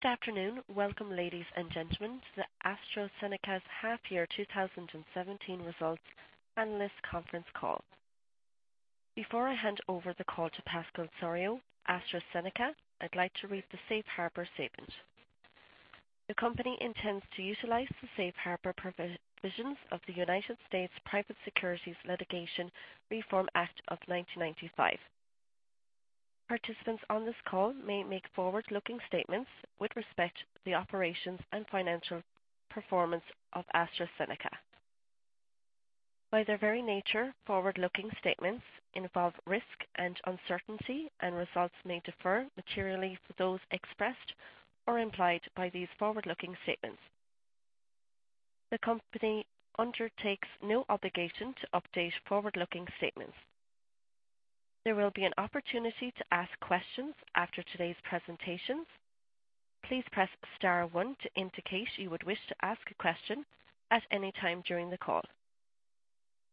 Good afternoon. Welcome, ladies and gentlemen, to AstraZeneca's half year 2017 results analyst conference call. Before I hand over the call to Pascal Soriot, AstraZeneca, I'd like to read the safe harbor statement. The company intends to utilize the safe harbor provisions of the United States Private Securities Litigation Reform Act of 1995. Participants on this call may make forward-looking statements with respect to the operations and financial performance of AstraZeneca. By their very nature, forward-looking statements involve risk and uncertainty, and results may differ materially from those expressed or implied by these forward-looking statements. The company undertakes no obligation to update forward-looking statements. There will be an opportunity to ask questions after today's presentations. Please press star one to indicate you would wish to ask a question at any time during the call.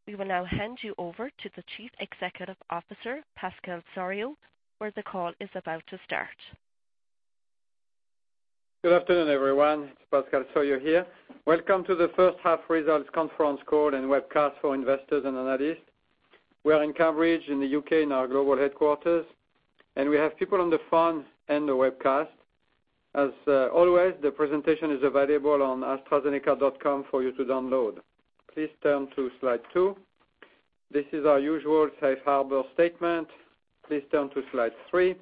We will now hand you over to the Chief Executive Officer, Pascal Soriot, where the call is about to start. Good afternoon, everyone. It's Pascal Soriot here. Welcome to the first half results conference call and webcast for investors and analysts. We are in Cambridge, in the U.K., in our global headquarters, and we have people on the phone and the webcast. As always, the presentation is available on astrazeneca.com for you to download. Please turn to slide two. This is our usual safe harbor statement. Please turn to slide three.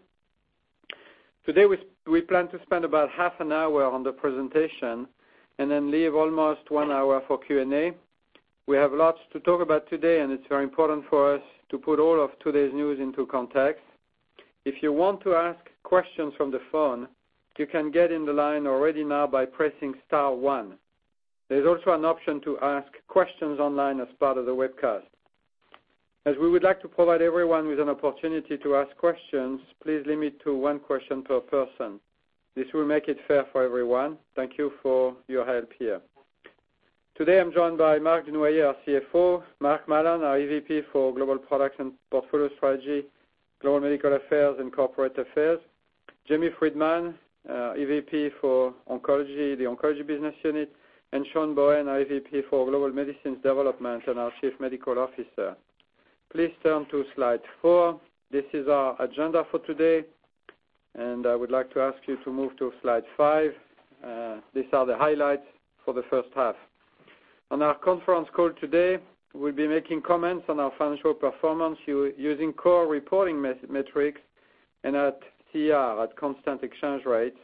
Today, we plan to spend about half an hour on the presentation and then leave almost one hour for Q&A. We have lots to talk about today, and it's very important for us to put all of today's news into context. If you want to ask questions from the phone, you can get in the line already now by pressing star one. There's also an option to ask questions online as part of the webcast. As we would like to provide everyone with an opportunity to ask questions, please limit to one question per person. This will make it fair for everyone. Thank you for your help here. Today, I'm joined by Marc Dunoyer, our CFO; Mark Mallon, our EVP for Global Products and Portfolio Strategy, Global Medical Affairs, and Corporate Affairs; Jamie Freedman, EVP for the Oncology Business Unit; and Sean Bohen, our EVP for Global Medicines Development and our Chief Medical Officer. Please turn to slide four. This is our agenda for today, and I would like to ask you to move to slide five. These are the highlights for the first half. On our conference call today, we'll be making comments on our financial performance using core reporting metrics and at CER, at constant exchange rates,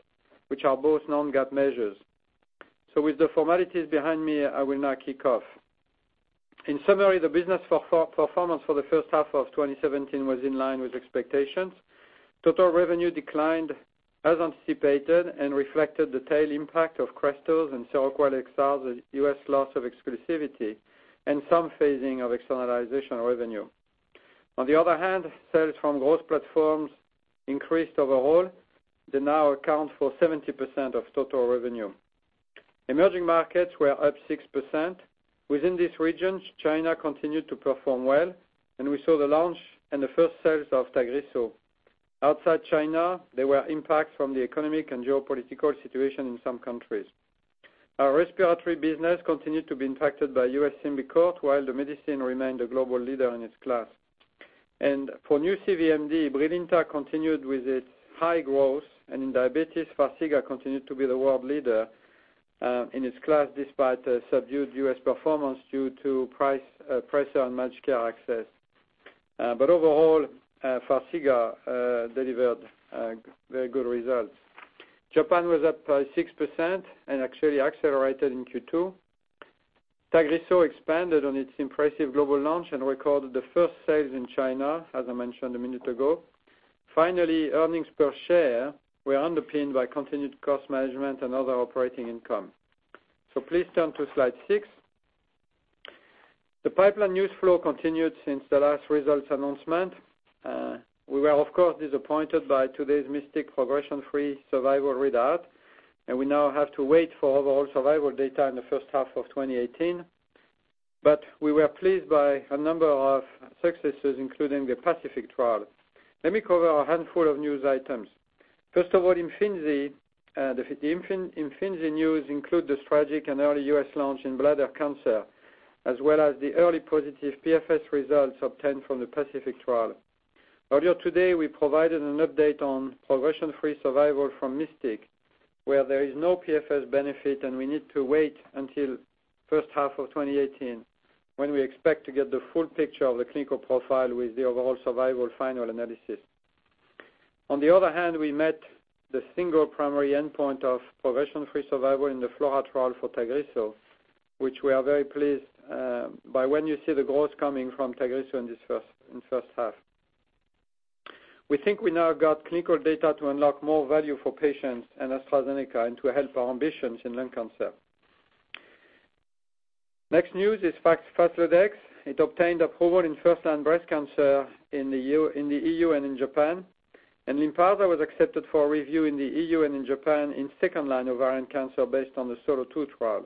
which are both non-GAAP measures. With the formalities behind me, I will now kick off. In summary, the business performance for the first half of 2017 was in line with expectations. Total revenue declined as anticipated and reflected the tail impact of CRESTOR and Seroquel XR's U.S. loss of exclusivity and some phasing of externalization revenue. The other hand, sales from growth platforms increased overall. They now account for 70% of total revenue. Emerging markets were up 6%. Within this region, China continued to perform well, and we saw the launch and the first sales of TAGRISSO. Outside China, there were impacts from the economic and geopolitical situation in some countries. Our respiratory business continued to be impacted by U.S. SYMBICORT, while the medicine remained a global leader in its class. For new CVMD, BRILINTA continued with its high growth, and in diabetes, Farxiga continued to be the world leader in its class, despite a subdued U.S. performance due to pressure on managed care access. Overall, Farxiga delivered very good results. Japan was up by 6% and actually accelerated in Q2. TAGRISSO expanded on its impressive global launch and recorded the first sales in China, as I mentioned a minute ago. Finally, earnings per share were underpinned by continued cost management and other operating income. Please turn to slide six. The pipeline news flow continued since the last results announcement. We were, of course, disappointed by today's MYSTIC progression-free survival readout, and we now have to wait for overall survival data in the first half of 2018. We were pleased by a number of successes, including the PACIFIC trial. Let me cover a handful of news items. First of all, Imfinzi. The Imfinzi news include the strategic and early U.S. launch in bladder cancer, as well as the early positive PFS results obtained from the PACIFIC trial. Earlier today, we provided an update on progression-free survival from MYSTIC, where there is no PFS benefit, and we need to wait until first half of 2018, when we expect to get the full picture of the clinical profile with the overall survival final analysis. The other hand, we met the single primary endpoint of progression-free survival in the FLAURA trial for TAGRISSO, which we are very pleased by when you see the growth coming from TAGRISSO in first half. We think we now got clinical data to unlock more value for patients and AstraZeneca and to help our ambitions in lung cancer. Next news is Faslodex. It obtained approval in first-line breast cancer in the EU and in Japan, Lynparza was accepted for review in the EU and in Japan in second line ovarian cancer based on the SOLO2 trial.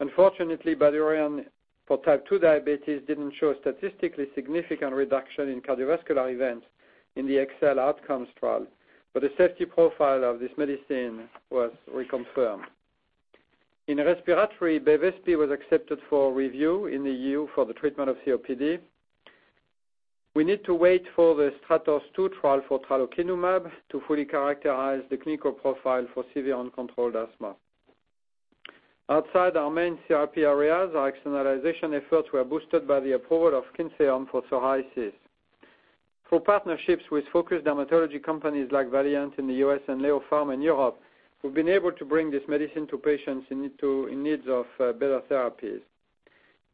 Unfortunately, BYDUREON for type 2 diabetes didn't show a statistically significant reduction in cardiovascular events in the EXSCEL outcomes trial. The safety profile of this medicine was reconfirmed. In respiratory, Bevespi was accepted for review in the EU for the treatment of COPD. We need to wait for the STRATOS 2 trial for tralokinumab to fully characterize the clinical profile for severe uncontrolled asthma. Outside our main TA areas, our externalization efforts were boosted by the approval of Kyntheum for psoriasis. Through partnerships with focused dermatology companies like Valeant in the U.S. and LEO Pharma in Europe, we've been able to bring this medicine to patients in need of better therapies.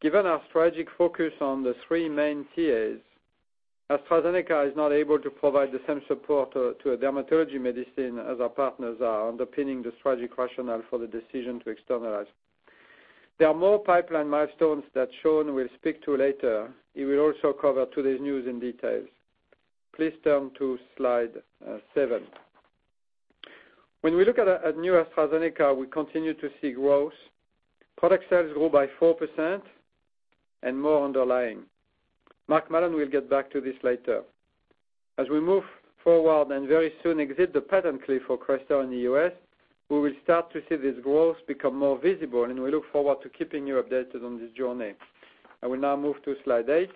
Given our strategic focus on the three main TAs, AstraZeneca is not able to provide the same support to a dermatology medicine as our partners are, underpinning the strategic rationale for the decision to externalize. There are more pipeline milestones that Sean will speak to later. He will also cover today's news in detail. Please turn to slide seven. When we look at new AstraZeneca, we continue to see growth. Product sales grew by 4% and more underlying. Marc Mallon will get back to this later. As we move forward and very soon exit the patent cliff for CRESTOR in the U.S., we will start to see this growth become more visible, and we look forward to keeping you updated on this journey. I will now move to slide eight.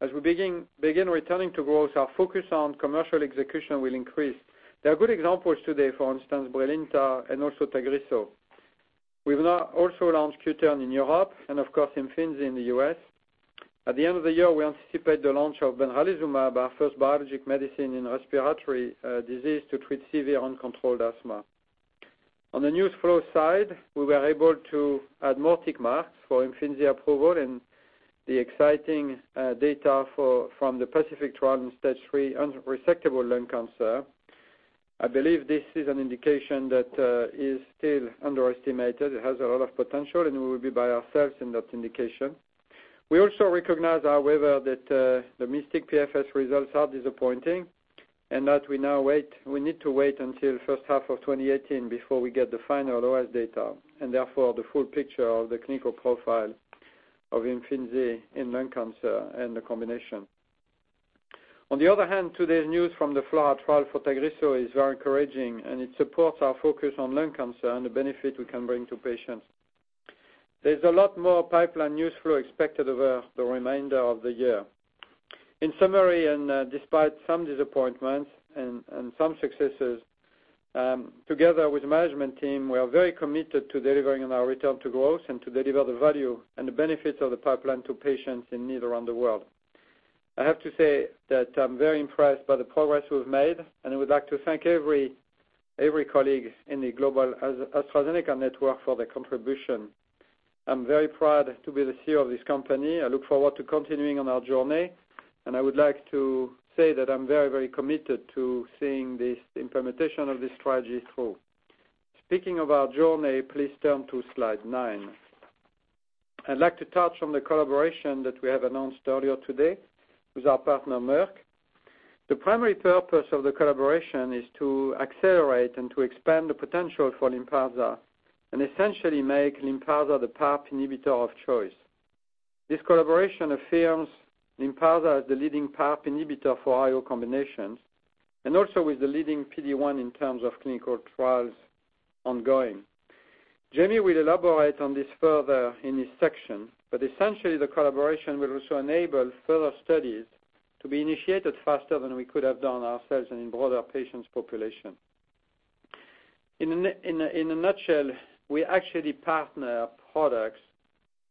As we begin returning to growth, our focus on commercial execution will increase. There are good examples today, for instance, BRILINTA and also TAGRISSO. We've now also launched Qtern in Europe and, of course, Imfinzi in the U.S. At the end of the year, we anticipate the launch of benralizumab, our first biologic medicine in respiratory disease to treat severe uncontrolled asthma. On the news flow side, we were able to add more tick marks for Imfinzi approval and the exciting data from the PACIFIC trial in stage 3 unresectable lung cancer. I believe this is an indication that is still underestimated. It has a lot of potential, and we will be by ourselves in that indication. We also recognize, however, that the MYSTIC PFS results are disappointing, and that we now need to wait until the first half of 2018 before we get the final OS data, and therefore, the full picture of the clinical profile of Imfinzi in lung cancer and the combination. On the other hand, today's news from the FLAURA trial for TAGRISSO is very encouraging, and it supports our focus on lung cancer and the benefit we can bring to patients. There's a lot more pipeline news flow expected over the remainder of the year. In summary, despite some disappointments and some successes, together with the management team, we are very committed to delivering on our return to growth and to deliver the value and the benefits of the pipeline to patients in need around the world. I have to say that I'm very impressed by the progress we've made, and I would like to thank every colleague in the global AstraZeneca network for their contribution. I'm very proud to be the CEO of this company. I look forward to continuing on our journey, and I would like to say that I'm very committed to seeing the implementation of this strategy through. Speaking of our journey, please turn to slide nine. I'd like to touch on the collaboration that we have announced earlier today with our partner, Merck. The primary purpose of the collaboration is to accelerate and to expand the potential for Lynparza and essentially make Lynparza the PARP inhibitor of choice. This collaboration affirms Lynparza as the leading PARP inhibitor for IO combinations and also is the leading PD-1 in terms of clinical trials ongoing. Jamie will elaborate on this further in his section, but essentially, the collaboration will also enable further studies to be initiated faster than we could have done ourselves and in broader patients population. In a nutshell, we actually partner products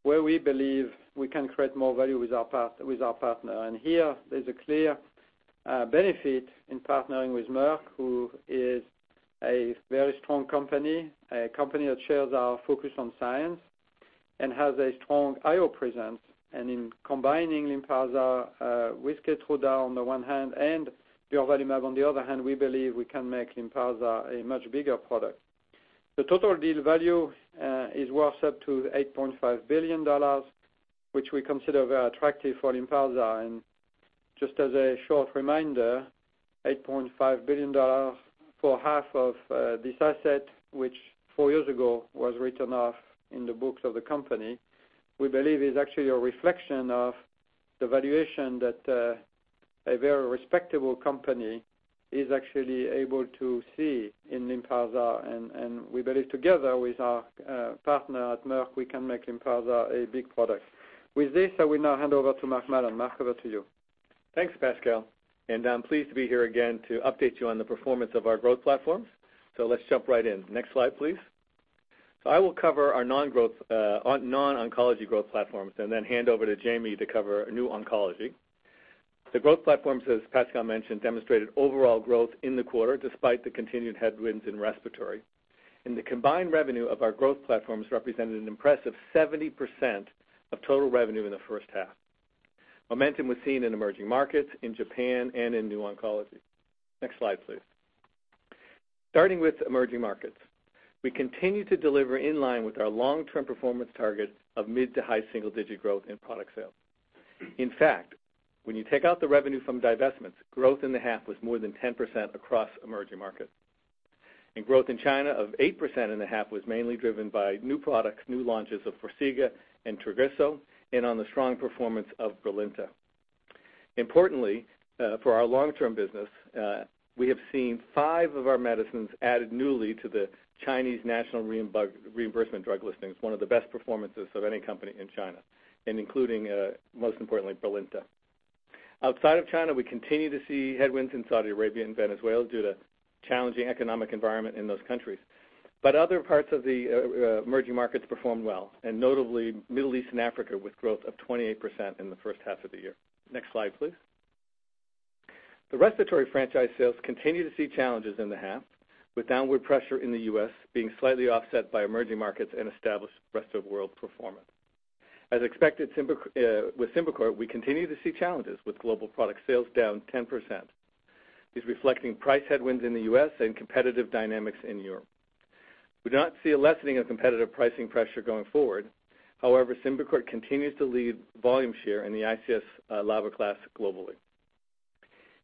where we believe we can create more value with our partner. Here, there is a clear benefit in partnering with Merck, who is a very strong company, a company that shares our focus on science and has a strong IO presence. In combining Lynparza with KEYTRUDA on the one hand, and bevacizumab on the other hand, we believe we can make Lynparza a much bigger product. The total deal value is worth up to $8.5 billion, which we consider very attractive for Lynparza. Just as a short reminder, $8.5 billion for half of this asset, which 4 years ago was written off in the books of the company, we believe is actually a reflection of the valuation that a very respectable company is actually able to see in Lynparza. We believe together with our partner at Merck, we can make Lynparza a big product. With this, I will now hand over to Marc Mallon. Marc, over to you. Thanks, Pascal. I'm pleased to be here again to update you on the performance of our growth platforms. Let's jump right in. Next slide, please. I will cover our non-oncology growth platforms and then hand over to Jamie to cover new oncology. The growth platforms, as Pascal mentioned, demonstrated overall growth in the quarter, despite the continued headwinds in respiratory. The combined revenue of our growth platforms represented an impressive 70% of total revenue in the first half. Momentum was seen in emerging markets, in Japan, and in new oncology. Next slide, please. Starting with emerging markets, we continue to deliver in line with our long-term performance target of mid to high single-digit growth in product sales. In fact, when you take out the revenue from divestments, growth in the half was more than 10% across emerging markets. Growth in China of 8% in the half was mainly driven by new products, new launches of Farxiga and TAGRISSO, and on the strong performance of BRILINTA. Importantly, for our long-term business, we have seen five of our medicines added newly to the Chinese National Reimbursement Drug listings, one of the best performances of any company in China, and including, most importantly, BRILINTA. Outside of China, we continue to see headwinds in Saudi Arabia and Venezuela due to challenging economic environment in those countries. Other parts of the emerging markets performed well, and notably Middle East and Africa, with growth of 28% in the first half of the year. Next slide, please. The respiratory franchise sales continue to see challenges in the half, with downward pressure in the U.S. being slightly offset by emerging markets and established rest-of-world performance. As expected with SYMBICORT, we continue to see challenges, with global product sales down 10%. This reflecting price headwinds in the U.S. and competitive dynamics in Europe. We do not see a lessening of competitive pricing pressure going forward. However, SYMBICORT continues to lead volume share in the ICS/LABA class globally.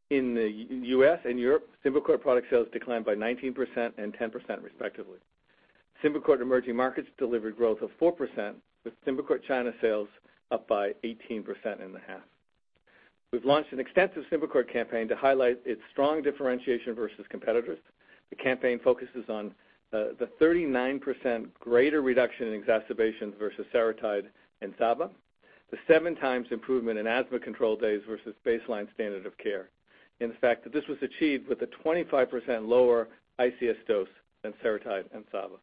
In the U.S. and Europe, SYMBICORT product sales declined by 19% and 10%, respectively. SYMBICORT emerging markets delivered growth of 4%, with SYMBICORT China sales up by 18% in the half. We've launched an extensive SYMBICORT campaign to highlight its strong differentiation versus competitors. The campaign focuses on the 39% greater reduction in exacerbations versus Seretide and SABA, the seven times improvement in asthma control days versus baseline standard of care. In fact, this was achieved with a 25% lower ICS dose than Seretide and SABA.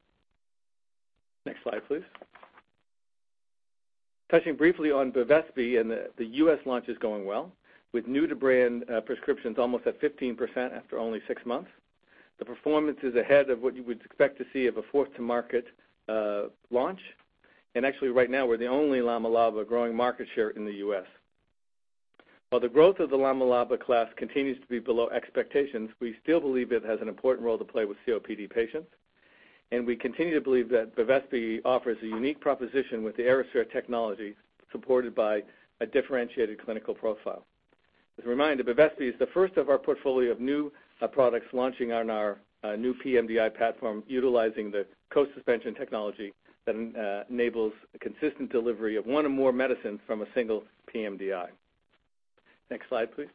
Next slide, please. Touching briefly on Bevespi, the U.S. launch is going well, with new-to-brand prescriptions almost at 15% after only six months. The performance is ahead of what you would expect to see of a fourth to market launch. Actually right now, we're the only LABA/LAMA growing market share in the U.S. While the growth of the LABA/LAMA class continues to be below expectations, we still believe it has an important role to play with COPD patients, and we continue to believe that Bevespi offers a unique proposition with the Aerosphere technology, supported by a differentiated clinical profile. As a reminder, Bevespi is the first of our portfolio of new products launching on our new pMDI platform, utilizing the co-suspension technology that enables a consistent delivery of one or more medicines from a single pMDI. Next slide, please.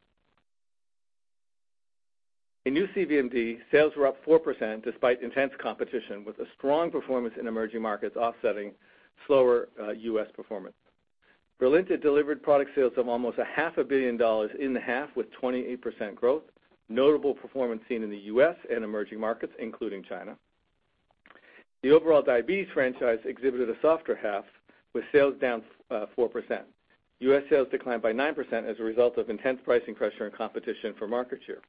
In new CVMD, sales were up 4%, despite intense competition, with a strong performance in emerging markets offsetting slower U.S. performance. BRILINTA delivered product sales of almost a half a billion dollars in the half with 28% growth, notable performance seen in the U.S. and emerging markets, including China. The overall diabetes franchise exhibited a softer half, with sales down 4%. U.S. sales declined by 9% as a result of intense pricing pressure and competition for market share.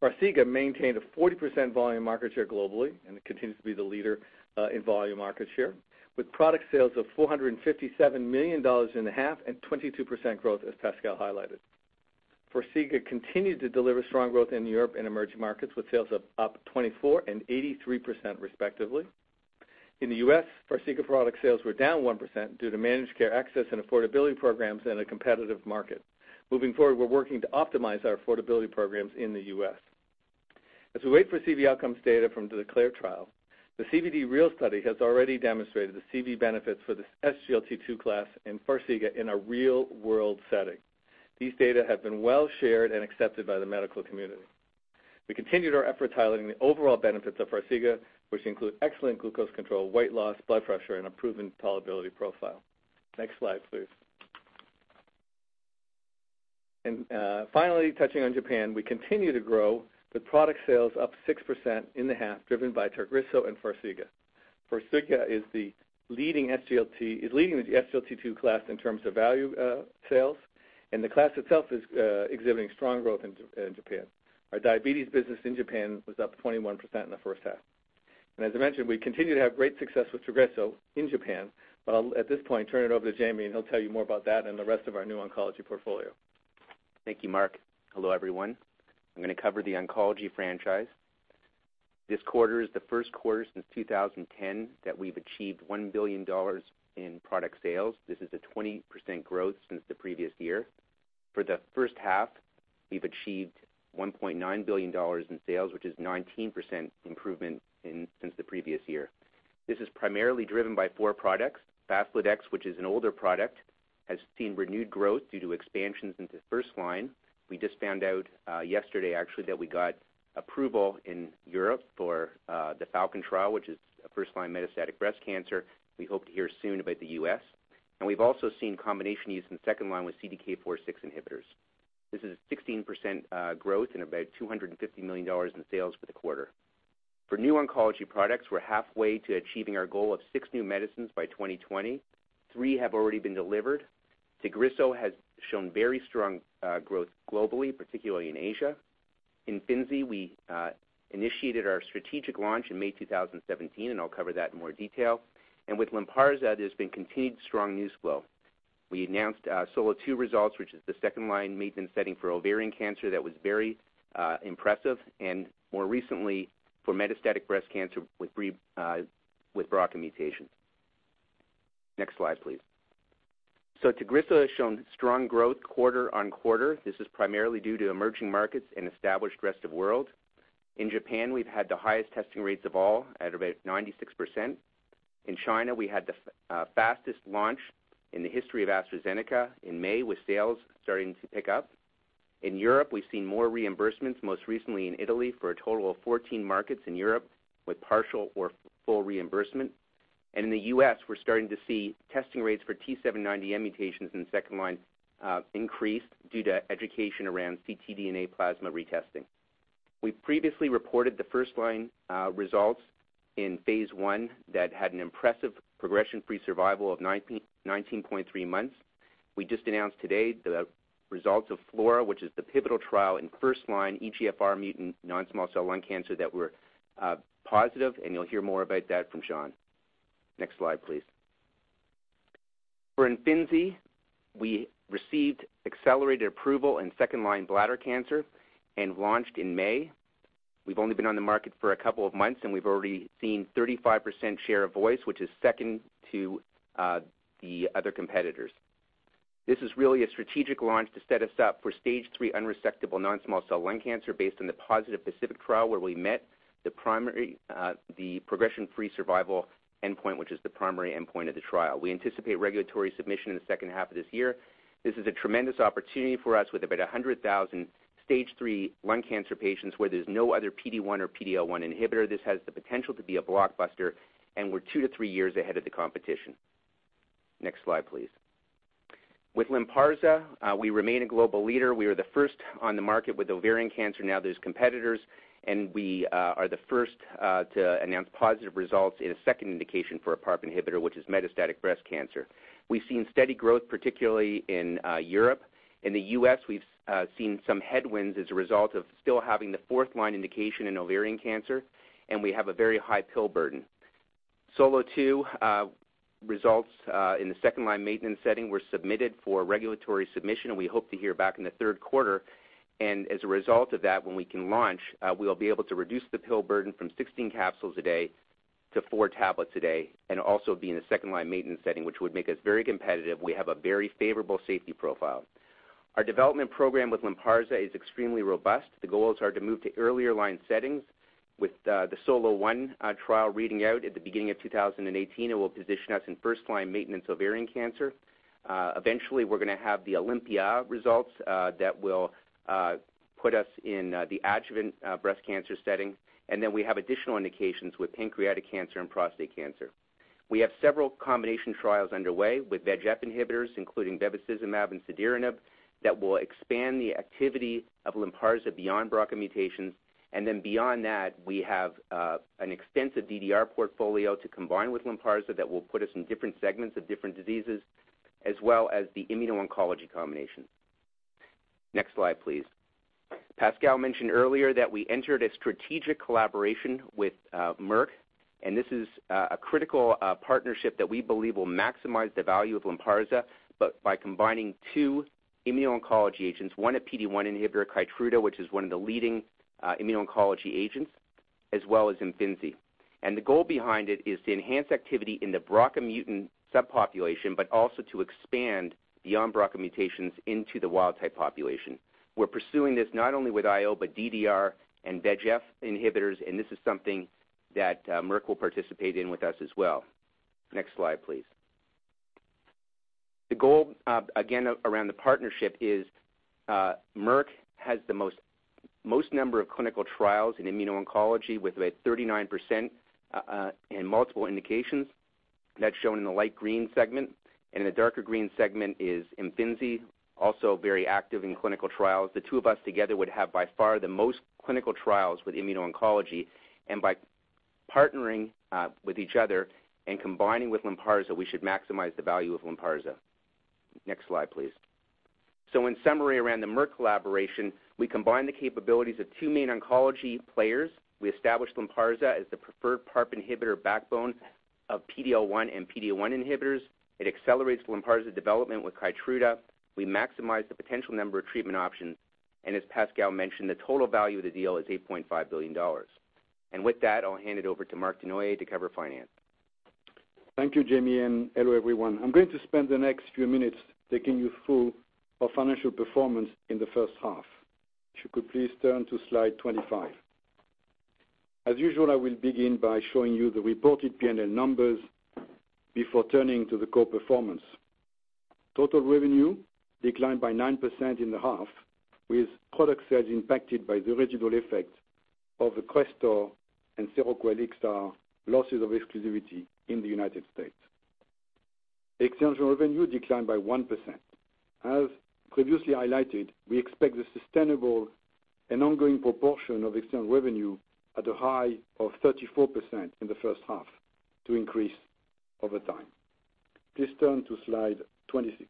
Farxiga maintained a 40% volume market share globally, and it continues to be the leader in volume market share, with product sales of $457 million in the half and 22% growth, as Pascal highlighted. Farxiga continued to deliver strong growth in Europe and emerging markets, with sales up 24% and 83%, respectively. In the U.S., Farxiga product sales were down 1% due to managed care access and affordability programs in a competitive market. Moving forward, we're working to optimize our affordability programs in the U.S. As we wait for CV outcomes data from the DECLARE trial, the CVD-REAL Study has already demonstrated the CV benefits for the SGLT2 class in Farxiga in a real-world setting. These data have been well shared and accepted by the medical community. We continued our efforts highlighting the overall benefits of Farxiga, which include excellent glucose control, weight loss, blood pressure, and a proven tolerability profile. Next slide, please. Finally, touching on Japan, we continue to grow, with product sales up 6% in the half driven by TAGRISSO and Farxiga. Farxiga is leading the SGLT2 class in terms of value sales, and the class itself is exhibiting strong growth in Japan. Our diabetes business in Japan was up 21% in the first half. As I mentioned, we continue to have great success with Tagrisso in Japan. I'll, at this point, turn it over to Jamie, and he'll tell you more about that and the rest of our new oncology portfolio. Thank you, Mark. Hello, everyone. I'm going to cover the oncology franchise. This quarter is the first quarter since 2010 that we've achieved $1 billion in product sales. This is a 20% growth since the previous year. For the first half, we've achieved $1.9 billion in sales, which is 19% improvement since the previous year. This is primarily driven by four products. Faslodex, which is an older product, has seen renewed growth due to expansions into first line. We just found out yesterday, actually, that we got approval in Europe for the FALCON Trial, which is a first-line metastatic breast cancer. We hope to hear soon about the U.S. We've also seen combination use in second line with CDK4/6 inhibitors. This is a 16% growth and about $250 million in sales for the quarter. For new oncology products, we're halfway to achieving our goal of six new medicines by 2020. Three have already been delivered. Tagrisso has shown very strong growth globally, particularly in Asia. Imfinzi, we initiated our strategic launch in May 2017, I'll cover that in more detail. With Lynparza, there's been continued strong news flow. We announced SOLO2 results, which is the second-line maintenance setting for ovarian cancer that was very impressive, and more recently for metastatic breast cancer with BRCA mutation. Next slide, please. Tagrisso has shown strong growth quarter on quarter. This is primarily due to emerging markets and established rest of world. In Japan, we've had the highest testing rates of all at about 96%. In China, we had the fastest launch in the history of AstraZeneca in May, with sales starting to pick up. In Europe, we've seen more reimbursements, most recently in Italy, for a total of 14 markets in Europe with partial or full reimbursement. In the U.S., we're starting to see testing rates for T790M mutations in second-line increase due to education around ctDNA plasma retesting. We previously reported the first-line results in phase I that had an impressive progression-free survival of 19.3 months. We just announced today the results of FLAURA, which is the pivotal trial in first-line EGFR mutant non-small cell lung cancer that were positive, you'll hear more about that from Sean. Next slide, please. For Imfinzi, we received accelerated approval in second-line bladder cancer and launched in May. We've only been on the market for a couple of months, we've already seen 35% share of voice, which is second to the other competitors. This is really a strategic launch to set us up for stage 3 unresectable non-small cell lung cancer based on the positive PACIFIC trial where we met the progression-free survival endpoint, which is the primary endpoint of the trial. We anticipate regulatory submission in the second half of this year. This is a tremendous opportunity for us with about 100,000 stage 3 lung cancer patients where there's no other PD-1 or PD-L1 inhibitor. This has the potential to be a blockbuster, and we're two to three years ahead of the competition. Next slide, please. With Lynparza, we remain a global leader. We were the first on the market with ovarian cancer. Now there's competitors, and we are the first to announce positive results in a second indication for a PARP inhibitor, which is metastatic breast cancer. We've seen steady growth, particularly in Europe. In the U.S., we've seen some headwinds as a result of still having the fourth-line indication in ovarian cancer, and we have a very high pill burden. SOLO2 results in the second-line maintenance setting were submitted for regulatory submission, and we hope to hear back in the third quarter. As a result of that, when we can launch, we'll be able to reduce the pill burden from 16 capsules a day to four tablets a day, and also be in a second-line maintenance setting, which would make us very competitive. We have a very favorable safety profile. Our development program with Lynparza is extremely robust. The goals are to move to earlier line settings with the SOLO1 trial reading out at the beginning of 2018. It will position us in first-line maintenance ovarian cancer. Eventually, we're going to have the OlympiA results that will put us in the adjuvant breast cancer setting, and then we have additional indications with pancreatic cancer and prostate cancer. We have several combination trials underway with VEGF inhibitors, including bevacizumab and cediranib, that will expand the activity of Lynparza beyond BRCA mutations. Beyond that, we have an extensive DDR portfolio to combine with Lynparza that will put us in different segments of different diseases, as well as the immuno-oncology combination. Next slide, please. Pascal mentioned earlier that we entered a strategic collaboration with Merck, and this is a critical partnership that we believe will maximize the value of Lynparza. By combining two immuno-oncology agents, one a PD-1 inhibitor, KEYTRUDA, which is one of the leading immuno-oncology agents, as well as Imfinzi. The goal behind it is to enhance activity in the BRCA mutant subpopulation, but also to expand beyond BRCA mutations into the wild type population. We're pursuing this not only with IO, but DDR and VEGF inhibitors, and this is something that Merck will participate in with us as well. Next slide, please. The goal, again, around the partnership is Merck has the most number of clinical trials in immuno-oncology with 39% in multiple indications. That's shown in the light green segment. In the darker green segment is Imfinzi, also very active in clinical trials. The two of us together would have by far the most clinical trials with immuno-oncology. By partnering with each other and combining with Lynparza, we should maximize the value of Lynparza. Next slide, please. In summary around the Merck collaboration, we combine the capabilities of two main oncology players. We established Lynparza as the preferred PARP inhibitor backbone of PD-L1 and PD-1 inhibitors. It accelerates Lynparza development with KEYTRUDA. We maximize the potential number of treatment options. As Pascal mentioned, the total value of the deal is $8.5 billion. With that, I'll hand it over to Marc Dunoyer to cover finance. Thank you, Jamie, and hello, everyone. I'm going to spend the next few minutes taking you through our financial performance in the first half. If you could please turn to slide 25. As usual, I will begin by showing you the reported P&L numbers before turning to the core performance. Total revenue declined by 9% in the half with product sales impacted by the original effect of the CRESTOR and Seroquel XR losses of exclusivity in the U.S. External revenue declined by 1%. As previously highlighted, we expect the sustainable and ongoing proportion of external revenue at a high of 34% in the first half to increase over time. Please turn to slide 26.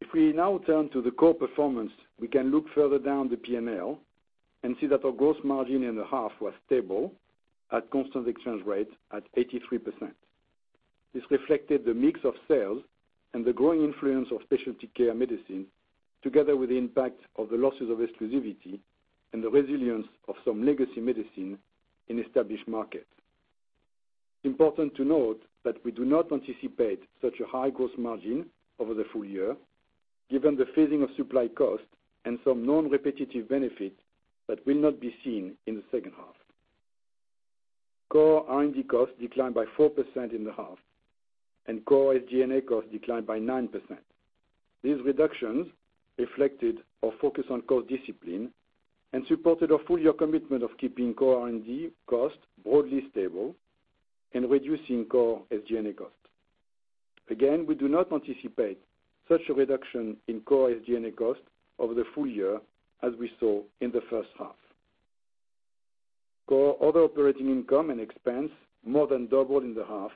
If we now turn to the core performance, we can look further down the P&L and see that our gross margin in the half was stable at constant exchange rate at 83%. This reflected the mix of sales and the growing influence of specialty care medicine, together with the impact of the losses of exclusivity and the resilience of some legacy medicine in established markets. It's important to note that we do not anticipate such a high gross margin over the full year, given the phasing of supply costs and some non-repetitive benefits that will not be seen in the second half. Core R&D costs declined by 4% in the half, and core SG&A costs declined by 9%. These reductions reflected our focus on cost discipline and supported our full-year commitment of keeping core R&D costs broadly stable and reducing core SG&A costs. Again, we do not anticipate such a reduction in core SG&A costs over the full year as we saw in the first half. Core other operating income and expense more than doubled in the half,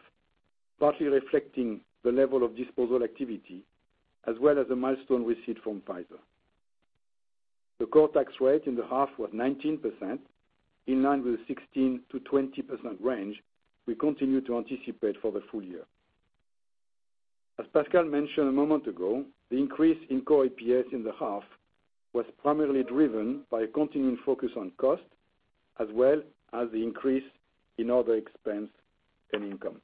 partly reflecting the level of disposal activity, as well as the milestone received from Pfizer. The core tax rate in the half was 19%, in line with the 16%-20% range we continue to anticipate for the full year. As Pascal mentioned a moment ago, the increase in core EPS in the half was primarily driven by a continuing focus on cost, as well as the increase in other expense and income.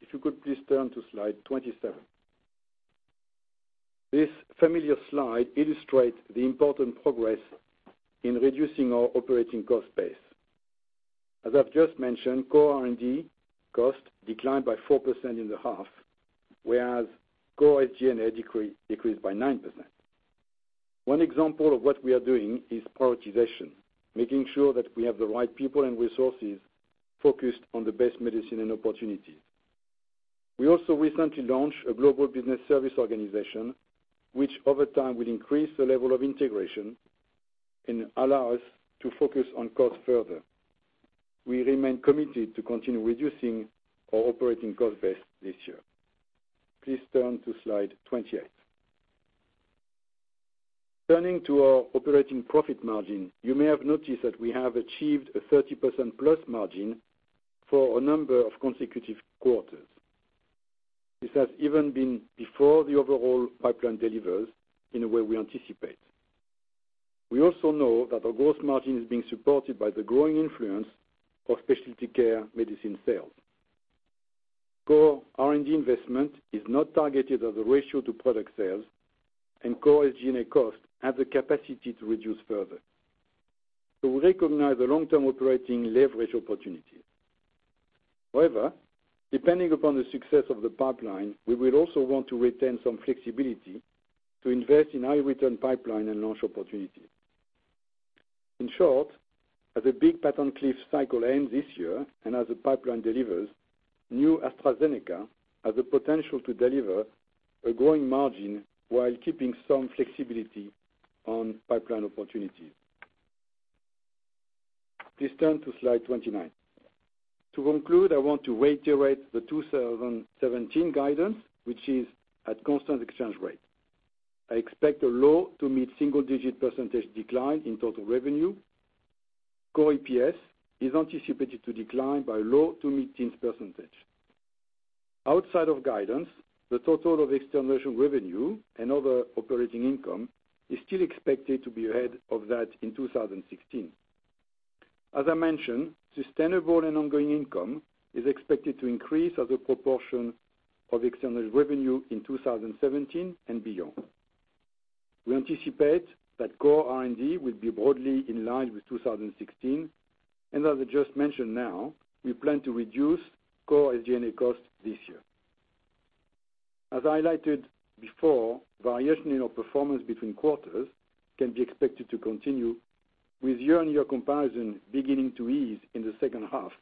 If you could please turn to slide 27. This familiar slide illustrates the important progress in reducing our operating cost base. As I've just mentioned, core R&D costs declined by 4% in the half, whereas core SG&A decreased by 9%. One example of what we are doing is prioritization, making sure that we have the right people and resources focused on the best medicine and opportunities. We also recently launched a global business service organization, which over time will increase the level of integration and allow us to focus on costs further. We remain committed to continue reducing our operating cost base this year. Please turn to slide 28. Turning to our operating profit margin, you may have noticed that we have achieved a 30% plus margin for a number of consecutive quarters. This has even been before the overall pipeline delivers in a way we anticipate. We also know that our gross margin is being supported by the growing influence of specialty care medicine sales. Core R&D investment is not targeted as a ratio to product sales, and core SG&A costs have the capacity to reduce further. We recognize the long-term operating leverage opportunities. However, depending upon the success of the pipeline, we will also want to retain some flexibility to invest in high-return pipeline and launch opportunities. In short, as the big patent cliff cycle ends this year, and as the pipeline delivers, new AstraZeneca has the potential to deliver a growing margin while keeping some flexibility on pipeline opportunities. Please turn to slide 29. To conclude, I want to reiterate the 2017 guidance, which is at constant exchange rate. I expect a low to mid-single-digit % decline in total revenue. Core EPS is anticipated to decline by low to mid-teen %. Outside of guidance, the total of external revenue and other operating income is still expected to be ahead of that in 2016. As I mentioned, sustainable and ongoing income is expected to increase as a proportion of external revenue in 2017 and beyond. We anticipate that core R&D will be broadly in line with 2016, and as I just mentioned now, we plan to reduce core SG&A costs this year. As I highlighted before, variation in our performance between quarters can be expected to continue, with year-on-year comparison beginning to ease in the second half,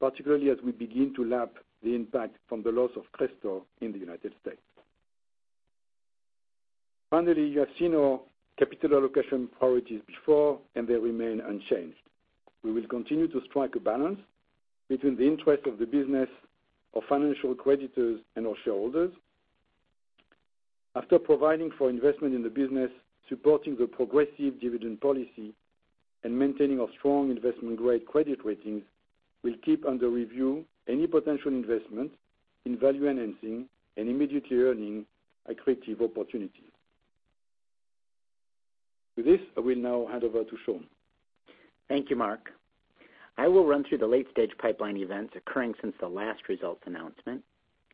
particularly as we begin to lap the impact from the loss of CRESTOR in the U.S. Finally, you have seen our capital allocation priorities before, and they remain unchanged. We will continue to strike a balance between the interests of the business, our financial creditors, and our shareholders. After providing for investment in the business, supporting the progressive dividend policy, and maintaining our strong investment-grade credit ratings, we'll keep under review any potential investment in value-enhancing and immediately earning accretive opportunities. With this, I will now hand over to Sean. Thank you, Marc. I will run through the late-stage pipeline events occurring since the last results announcement,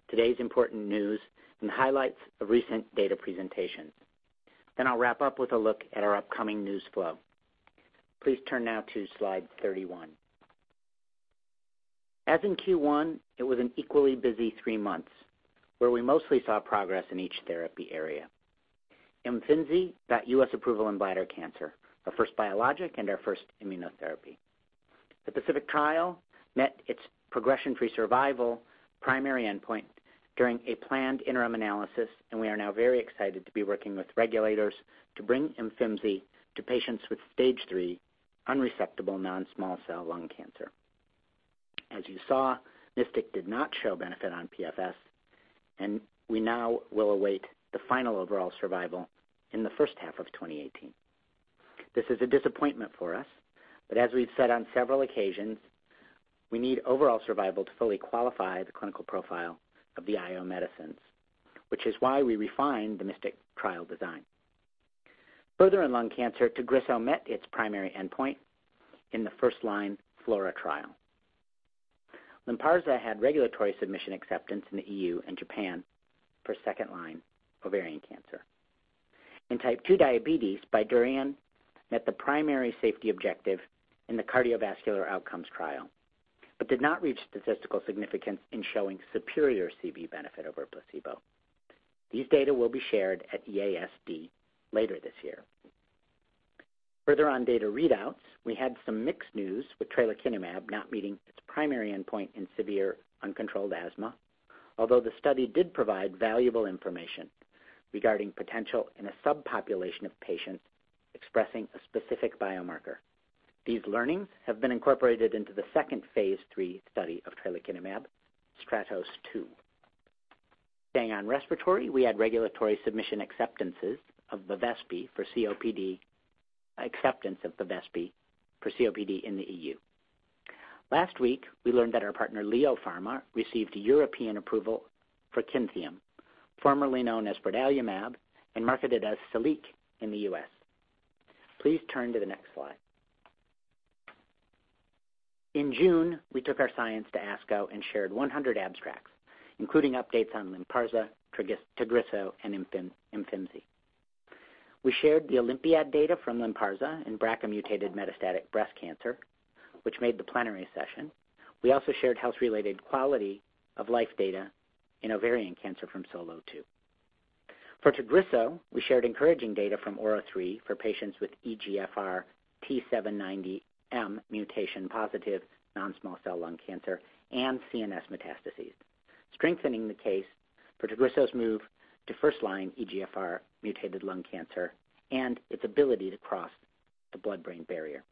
today's important news, and highlights of recent data presentations. I'll wrap up with a look at our upcoming news flow. Please turn now to slide 31. As in Q1, it was an equally busy three months, where we mostly saw progress in each therapy area. Imfinzi got U.S. approval in bladder cancer, our first biologic and our first immunotherapy. The PACIFIC trial met its progression-free survival primary endpoint during a planned interim analysis, and we are now very excited to be working with regulators to bring Imfinzi to patients with stage 3 unresectable non-small cell lung cancer. As you saw, MYSTIC did not show benefit on PFS. We now will await the final overall survival in the first half of 2018. This is a disappointment for us. As we've said on several occasions, we need overall survival to fully qualify the clinical profile of the IO medicines, which is why we refined the MYSTIC trial design. Further in lung cancer, FLAURA met its primary endpoint in the first-line FLAURA trial. Lynparza had regulatory submission acceptance in the EU and Japan for second-line ovarian cancer. In type 2 diabetes, BYDUREON met the primary safety objective in the cardiovascular outcomes trial. It did not reach statistical significance in showing superior CV benefit over placebo. These data will be shared at EASD later this year. Further on data readouts, we had some mixed news with tralokinumab not meeting its primary endpoint in severe uncontrolled asthma, although the study did provide valuable information regarding potential in a subpopulation of patients expressing a specific biomarker. These learnings have been incorporated into the second phase III study of tralokinumab, STRATOS 2. Staying on respiratory, we had regulatory submission acceptances of Bevespi for COPD in the EU. Last week, we learned that our partner LEO Pharma received European approval for Kyntheum, formerly known as brodalumab and marketed as Siliq in the U.S. Please turn to the next slide. In June, we took our science to ASCO and shared 100 abstracts, including updates on Lynparza, Tagrisso, and Imfinzi. We shared the OlympiAD data from Lynparza in BRCA-mutated metastatic breast cancer, which made the plenary session. We also shared health-related quality of life data in ovarian cancer from SOLO2. For Tagrisso, we shared encouraging data from AURA3 for patients with EGFR T790M mutation-positive non-small cell lung cancer and CNS metastases, strengthening the case for Tagrisso's move to first-line EGFR mutated lung cancer and its ability to cross the blood-brain barrier.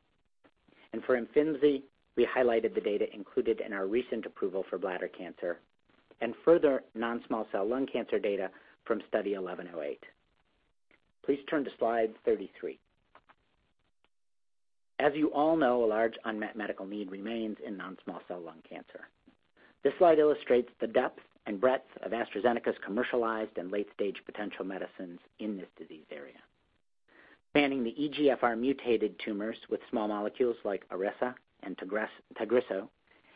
For Imfinzi, we highlighted the data included in our recent approval for bladder cancer and further non-small cell lung cancer data from Study 1108. Please turn to slide 33. As you all know, a large unmet medical need remains in non-small cell lung cancer. This slide illustrates the depth and breadth of AstraZeneca's commercialized and late-stage potential medicines in this disease area. Spanning the EGFR mutated tumors with small molecules like Iressa and Tagrisso,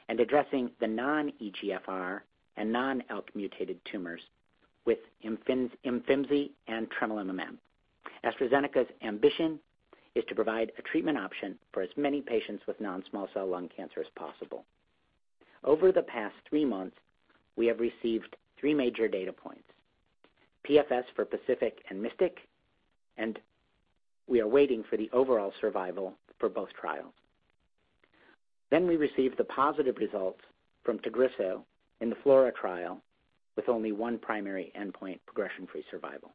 and addressing the non-EGFR and non-ALK mutated tumors with Imfinzi and tremelimumab. AstraZeneca's ambition is to provide a treatment option for as many patients with non-small cell lung cancer as possible. Over the past three months, we have received three major data points. PFS for PACIFIC and MYSTIC. We are waiting for the overall survival for both trials. We received the positive results from Tagrisso in the FLAURA trial with only one primary endpoint progression-free survival.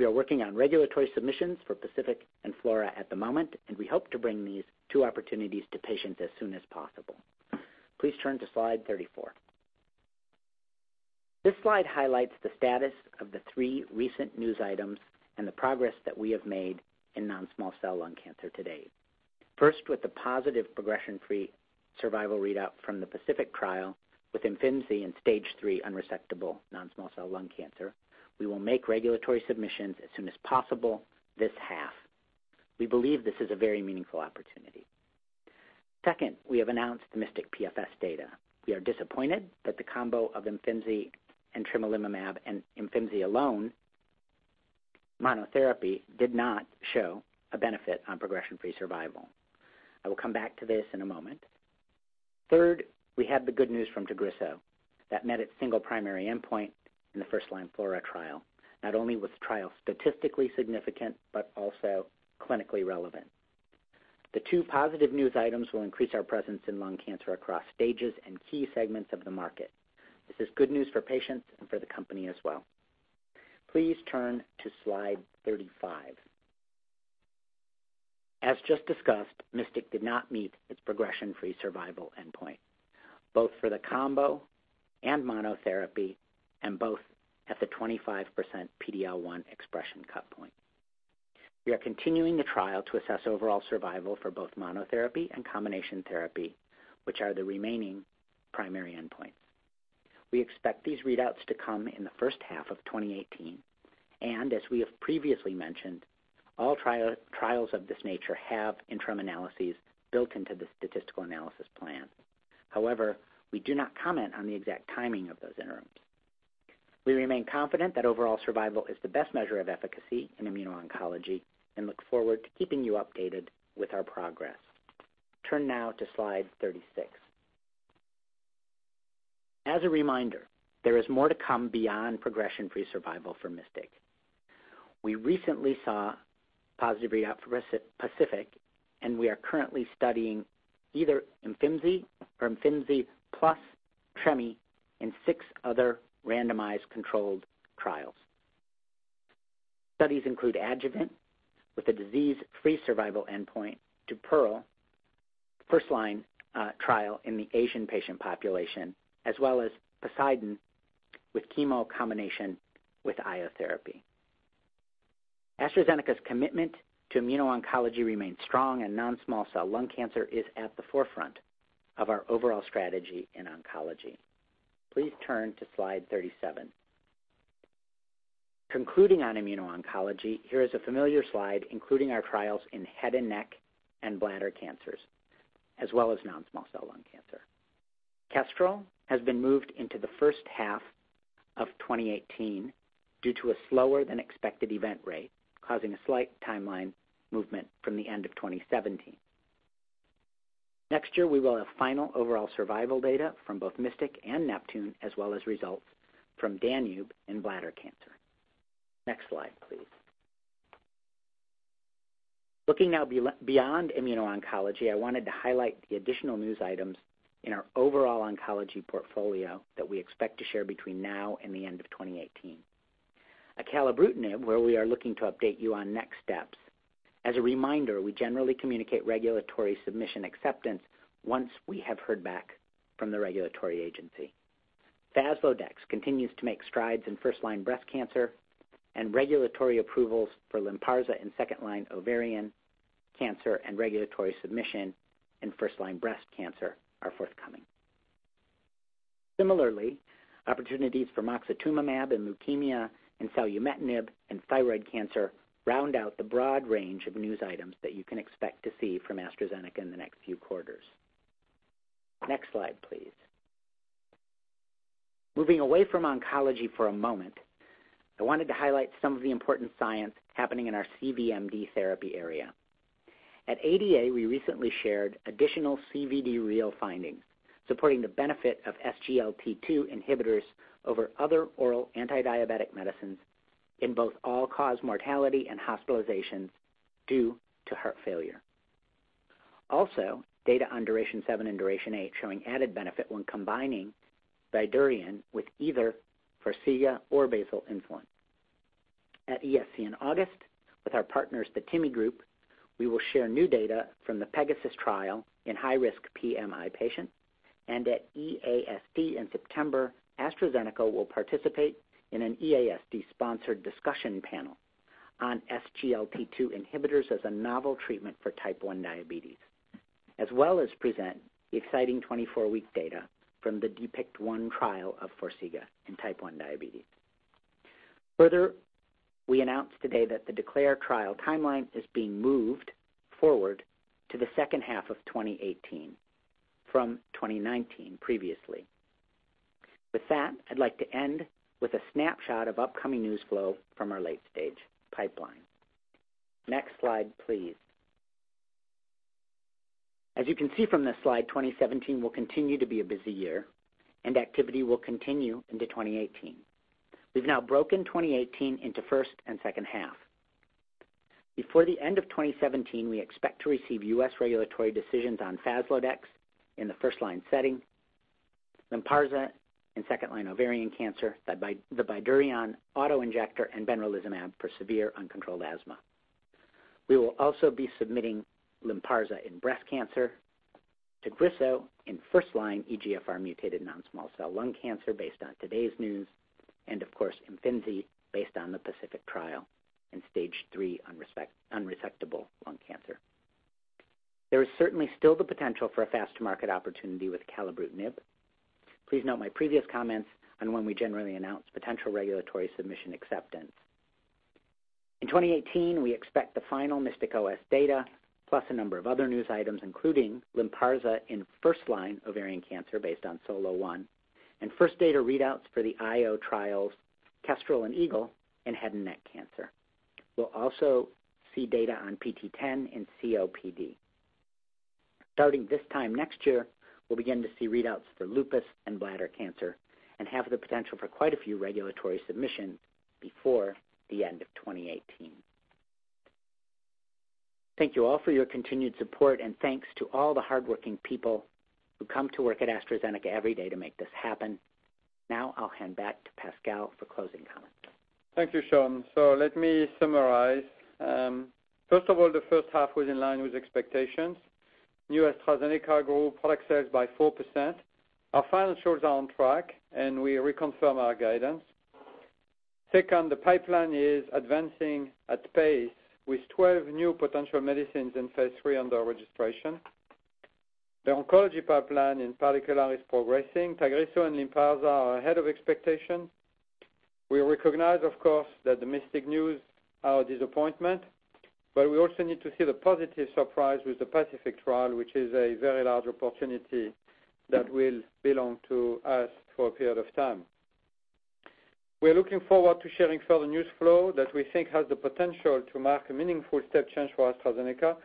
We are working on regulatory submissions for PACIFIC and FLAURA at the moment. We hope to bring these two opportunities to patients as soon as possible. Please turn to slide 34. This slide highlights the status of the three recent news items and the progress that we have made in non-small cell lung cancer to date. First, with the positive progression-free survival readout from the PACIFIC trial with Imfinzi in stage 3 unresectable non-small cell lung cancer. We will make regulatory submissions as soon as possible this half. We believe this is a very meaningful opportunity. Second, we have announced the MYSTIC PFS data. We are disappointed that the combo of Imfinzi and tremelimumab and Imfinzi alone monotherapy did not show a benefit on progression-free survival. I will come back to this in a moment. Third, we had the good news from Tagrisso that met its single primary endpoint in the first-line FLAURA trial. Not only was the trial statistically significant but also clinically relevant. The two positive news items will increase our presence in lung cancer across stages and key segments of the market. This is good news for patients and for the company as well. Please turn to slide 35. As just discussed, MYSTIC did not meet its progression-free survival endpoint, both for the combo and monotherapy, and both at the 25% PD-L1 expression cut point. We are continuing the trial to assess overall survival for both monotherapy and combination therapy, which are the remaining primary endpoints. We expect these readouts to come in the first half of 2018. As we have previously mentioned, all trials of this nature have interim analyses built into the statistical analysis plan. However, we do not comment on the exact timing of those interims. We remain confident that overall survival is the best measure of efficacy in immuno-oncology and look forward to keeping you updated with our progress. Turn now to slide 36. As a reminder, there is more to come beyond progression-free survival for MYSTIC. We recently saw positive readout for PACIFIC, and we are currently studying either Imfinzi or Imfinzi plus Tremy in six other randomized controlled trials. Studies include adjuvant with a disease-free survival endpoint, PEARL first-line trial in the Asian patient population, as well as POSEIDON with chemo combination with IO therapy. AstraZeneca's commitment to immuno-oncology remains strong. Non-small cell lung cancer is at the forefront of our overall strategy in oncology. Please turn to slide 37. Concluding on immuno-oncology, here is a familiar slide, including our trials in head and neck and bladder cancers, as well as non-small cell lung cancer. KESTREL has been moved into the first half of 2018 due to a slower-than-expected event rate, causing a slight timeline movement from the end of 2017. Next year, we will have final overall survival data from both MYSTIC and NEPTUNE, as well as results from DANUBE in bladder cancer. Next slide, please. Looking now beyond immuno-oncology, I wanted to highlight the additional news items in our overall oncology portfolio that we expect to share between now and the end of 2018. Acalabrutinib, where we are looking to update you on next steps. As a reminder, we generally communicate regulatory submission acceptance once we have heard back from the regulatory agency. Faslodex continues to make strides in first-line breast cancer. Regulatory approvals for Lynparza in second-line ovarian cancer, and regulatory submission in first-line breast cancer are forthcoming. Similarly, opportunities for moxetumomab in leukemia and selumetinib in thyroid cancer round out the broad range of news items that you can expect to see from AstraZeneca in the next few quarters. Next slide, please. Moving away from oncology for a moment, I wanted to highlight some of the important science happening in our CVMD therapy area. At ADA, we recently shared additional CVD-REAL findings supporting the benefit of SGLT2 inhibitors over other oral anti-diabetic medicines in both all-cause mortality and hospitalizations due to heart failure. Also, data on DURATION 7 and DURATION-8 showing added benefit when combining BYDUREON with either Farxiga or basal insulin. At ESC in August, with our partners the TIMI Group, we will share new data from the PEGASUS trial in high-risk post-MI patients, and at EASD in September, AstraZeneca will participate in an EASD-sponsored discussion panel on SGLT2 inhibitors as a novel treatment for type 1 diabetes, as well as present the exciting 24-week data from the DEPICT-1 trial of Farxiga in type 1 diabetes. We announced today that the DECLARE trial timeline is being moved forward to the second half of 2018 from 2019 previously. With that, I'd like to end with a snapshot of upcoming news flow from our late-stage pipeline. Next slide, please. As you can see from this slide, 2017 will continue to be a busy year, and activity will continue into 2018. We've now broken 2018 into first and second half. Before the end of 2017, we expect to receive U.S. regulatory decisions on Faslodex in the first-line setting, Lynparza in second-line ovarian cancer, the BYDUREON auto-injector, and benralizumab for severe uncontrolled asthma. We will also be submitting Lynparza in breast cancer, TAGRISSO in first-line EGFR-mutated non-small cell lung cancer based on today's news, and of course, Imfinzi based on the PACIFIC trial in Stage 3 unresectable lung cancer. There is certainly still the potential for a fast-to-market opportunity with acalabrutinib. Please note my previous comments on when we generally announce potential regulatory submission acceptance. In 2018, we expect the final MYSTIC OS data, plus a number of other news items, including Lynparza in first-line ovarian cancer based on SOLO-1, and first data readouts for the IO trials KESTREL and EAGLE in head and neck cancer. We'll also see data on PT010 in COPD. Starting this time next year, we'll begin to see readouts for lupus and bladder cancer and have the potential for quite a few regulatory submissions before the end of 2018. Thank you all for your continued support, and thanks to all the hardworking people who come to work at AstraZeneca every day to make this happen. Now I'll hand back to Pascal for closing comments. Thank you, Sean. Let me summarize. First of all, the first half was in line with expectations. New AstraZeneca group product sales by 4%. Our financials are on track, and we reconfirm our guidance. Second, the pipeline is advancing at pace with 12 new potential medicines in phase III under registration. The oncology pipeline, in particular, is progressing. TAGRISSO and Lynparza are ahead of expectation. We recognize, of course, that the MYSTIC news are a disappointment, but we also need to see the positive surprise with the PACIFIC trial, which is a very large opportunity that will belong to us for a period of time. We are looking forward to sharing further news flow that we think has the potential to mark a meaningful step change for AstraZeneca,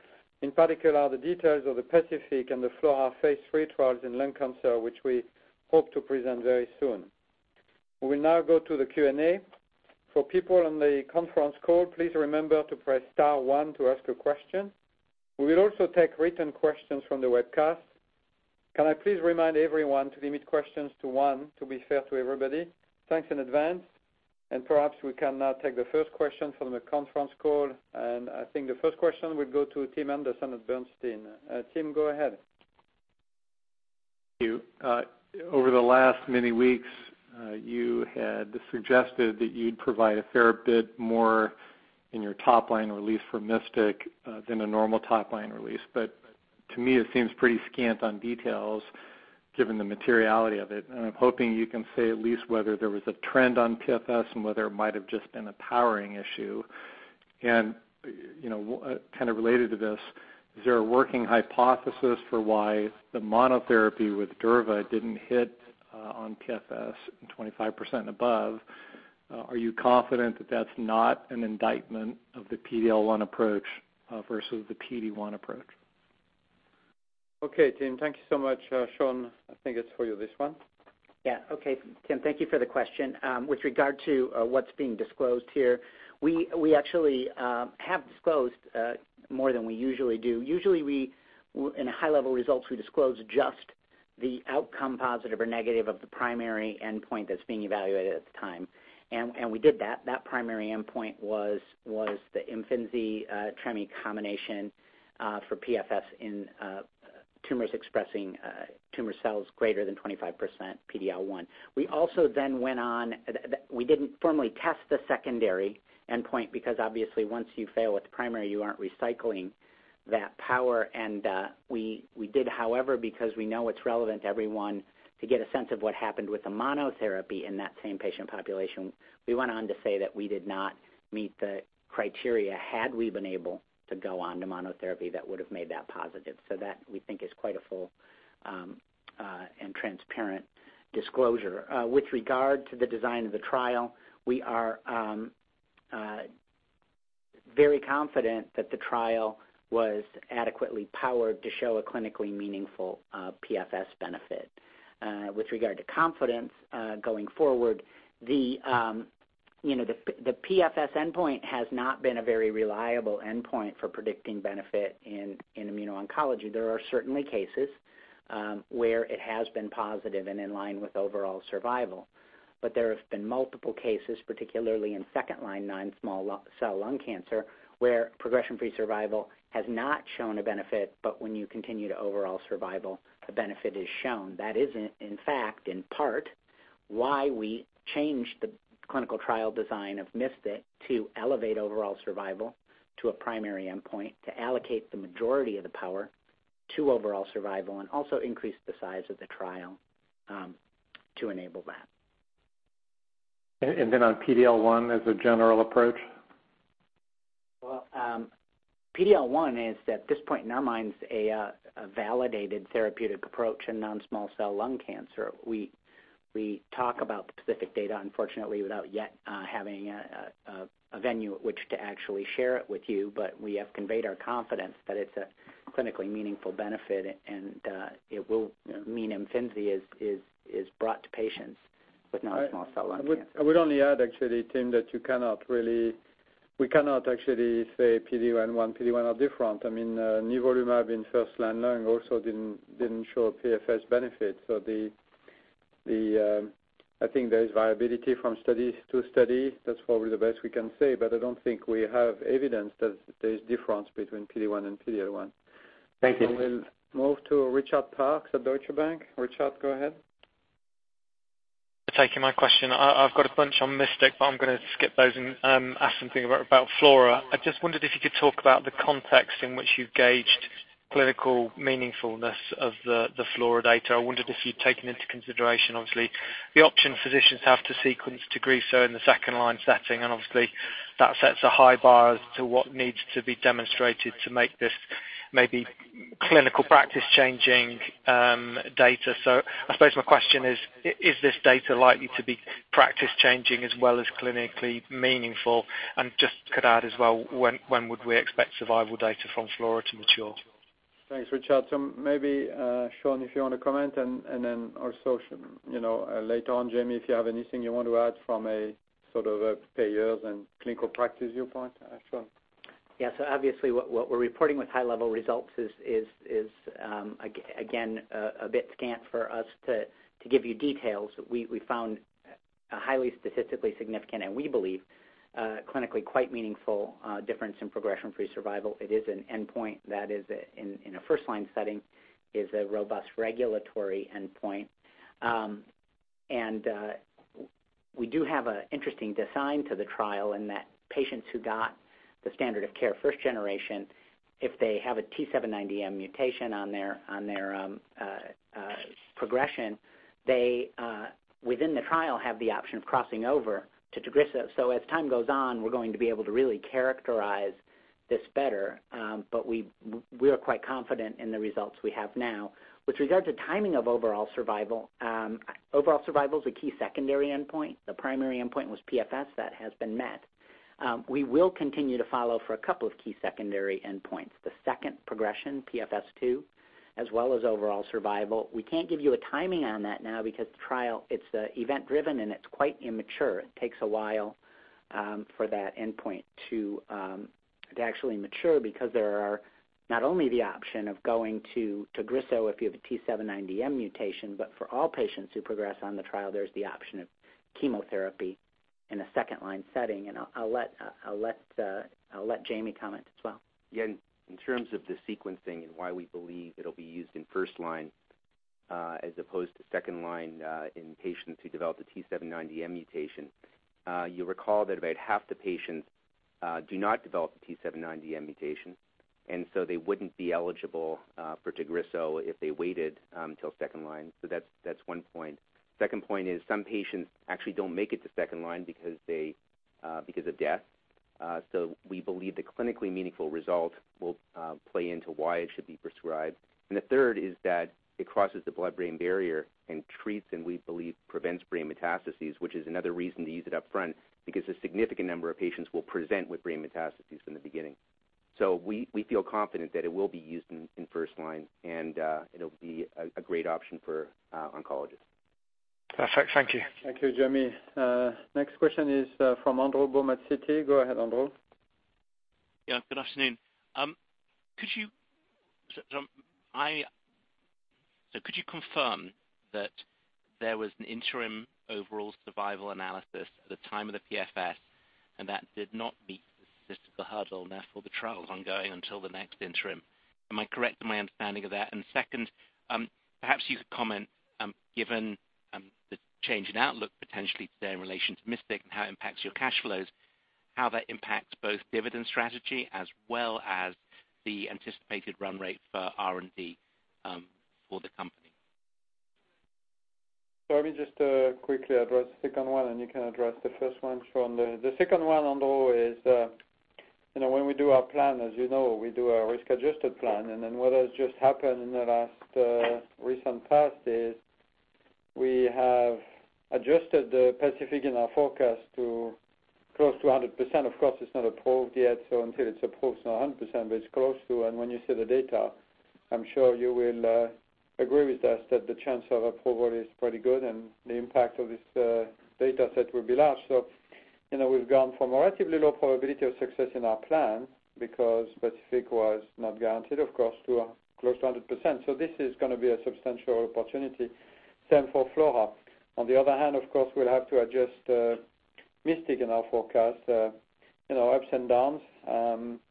in particular, the details of the PACIFIC and the FLAURA phase III trials in lung cancer, which we hope to present very soon. We will now go to the Q&A. For people on the conference call, please remember to press *1 to ask a question. We will also take written questions from the webcast. Can I please remind everyone to limit questions to one to be fair to everybody? Thanks in advance. Perhaps we can now take the first question from the conference call. I think the first question would go to Timothy Anderson at Bernstein. Tim, go ahead. Thank you. Over the last many weeks, you had suggested that you'd provide a fair bit more in your top-line release for MYSTIC than a normal top-line release. To me, it seems pretty scant on details given the materiality of it. I'm hoping you can say at least whether there was a trend on PFS and whether it might have just been a powering issue. Kind of related to this, is there a working hypothesis for why the monotherapy with durva didn't hit on PFS in 25% above? Are you confident that that's not an indictment of the PD-L1 approach versus the PD-1 approach? Tim, thank you so much. Sean, I think it's for you, this one. Tim, thank you for the question. With regard to what's being disclosed here, we actually have disclosed more than we usually do. Usually we, in high-level results, we disclose just the outcome, positive or negative, of the primary endpoint that's being evaluated at the time. We did that. That primary endpoint was the Imfinzi-tremi combination for PFS in tumors expressing tumor cells greater than 25% PD-L1. We also then went on. We didn't formally test the secondary endpoint because obviously once you fail with the primary, you aren't recycling that power. We did, however, because we know it's relevant to everyone to get a sense of what happened with the monotherapy in that same patient population. We went on to say that we did not meet the criteria, had we been able to go on to monotherapy that would've made that positive. That, we think is quite a full and transparent disclosure. With regard to the design of the trial, we are very confident that the trial was adequately powered to show a clinically meaningful PFS benefit. With regard to confidence going forward, the PFS endpoint has not been a very reliable endpoint for predicting benefit in immuno-oncology. There are certainly cases where it has been positive and in line with overall survival. There have been multiple cases, particularly in second-line non-small cell lung cancer, where progression-free survival has not shown a benefit, but when you continue to overall survival, the benefit is shown. That is in fact, in part, why we changed the clinical trial design of MYSTIC to elevate overall survival to a primary endpoint, to allocate the majority of the power to overall survival, and also increase the size of the trial to enable that. On PD-L1 as a general approach? Well, PD-L1 is, at this point in our minds, a validated therapeutic approach in non-small cell lung cancer. We talk about the specific data, unfortunately, without yet having a venue at which to actually share it with you. We have conveyed our confidence that it's a clinically meaningful benefit and it will mean Imfinzi is brought to patients with non-small cell lung cancer. I would only add actually, Tim, that we cannot actually say PD-L1 and PD-1 are different. I mean, nivolumab in first-line lung also didn't show a PFS benefit. I think there is viability from study to study. That's probably the best we can say, I don't think we have evidence that there's difference between PD-1 and PD-L1. Thank you. We'll move to Richard Parkes at Deutsche Bank. Richard, go ahead. Thanks for taking my question. I've got a bunch on MYSTIC. I'm going to skip those and ask something about FLAURA. I just wondered if you could talk about the context in which you gauged clinical meaningfulness of the FLAURA data. I wondered if you'd taken into consideration, obviously, the option physicians have to sequence TAGRISSO in the second-line setting, and obviously that sets a high bar as to what needs to be demonstrated to make this maybe clinical practice-changing data. I suppose my question is this data likely to be practice changing as well as clinically meaningful? Just could add as well, when would we expect survival data from FLAURA to mature? Thanks, Richard. Maybe, Sean, if you want to comment and then also later on, Jamie, if you have anything you want to add from a sort of a payers and clinical practice viewpoint. Sean? Yeah. Obviously what we're reporting with high-level results is, again, a bit scant for us to give you details. We found a highly statistically significant, and we believe clinically quite meaningful difference in progression-free survival. It is an endpoint that is in a first line setting, is a robust regulatory endpoint. We do have an interesting design to the trial in that patients who got the standard of care first generation, if they have a T790M mutation on their progression, they within the trial have the option of crossing over to TAGRISSO. As time goes on, we're going to be able to really characterize this better. We are quite confident in the results we have now. With regard to timing of overall survival, overall survival is a key secondary endpoint. The primary endpoint was PFS. That has been met. We will continue to follow for a couple of key secondary endpoints, the second progression, PFS2, as well as overall survival. We can't give you a timing on that now because the trial, it's event driven and it's quite immature. It takes a while for that endpoint to actually mature because there are Not only the option of going to TAGRISSO if you have a T790M mutation, but for all patients who progress on the trial, there's the option of chemotherapy in a second-line setting. I'll let Jamie comment as well. Yeah. In terms of the sequencing and why we believe it'll be used in first line, as opposed to second line, in patients who develop the T790M mutation. You'll recall that about half the patients do not develop the T790M mutation, they wouldn't be eligible for TAGRISSO if they waited until second line. That's one point. Second point is some patients actually don't make it to second line because of death. We believe the clinically meaningful result will play into why it should be prescribed. The third is that it crosses the blood-brain barrier and treats, and we believe prevents brain metastases, which is another reason to use it upfront, because a significant number of patients will present with brain metastases in the beginning. We feel confident that it will be used in first line and it'll be a great option for oncologists. Perfect. Thank you. Thank you, Jamie. Next question is from Andrew Baum. Go ahead, Andrew. Yeah, good afternoon. Could you confirm that there was an interim overall survival analysis at the time of the PFS, that did not meet the statistical hurdle, therefore the trial's ongoing until the next interim? Am I correct in my understanding of that? Second, perhaps you could comment, given the change in outlook potentially today in relation to MYSTIC and how it impacts your cash flows, how that impacts both dividend strategy as well as the anticipated run rate for R&D for the company. Let me just quickly address the second one, you can address the first one, Sean. The second one, Andrew, is when we do our plan, as you know, we do a risk-adjusted plan. What has just happened in the last recent past is we have adjusted the PACIFIC in our forecast to close to 100%. Of course, it's not approved yet, so until it's approved, it's not 100%, but it's close to. When you see the data, I'm sure you will agree with us that the chance of approval is pretty good, and the impact of this data set will be large. We've gone from a relatively low probability of success in our plan because PACIFIC was not guaranteed, of course, to close to 100%. This is going to be a substantial opportunity. Same for FLAURA. On the other hand, of course, we'll have to adjust MYSTIC in our forecast. Ups and downs.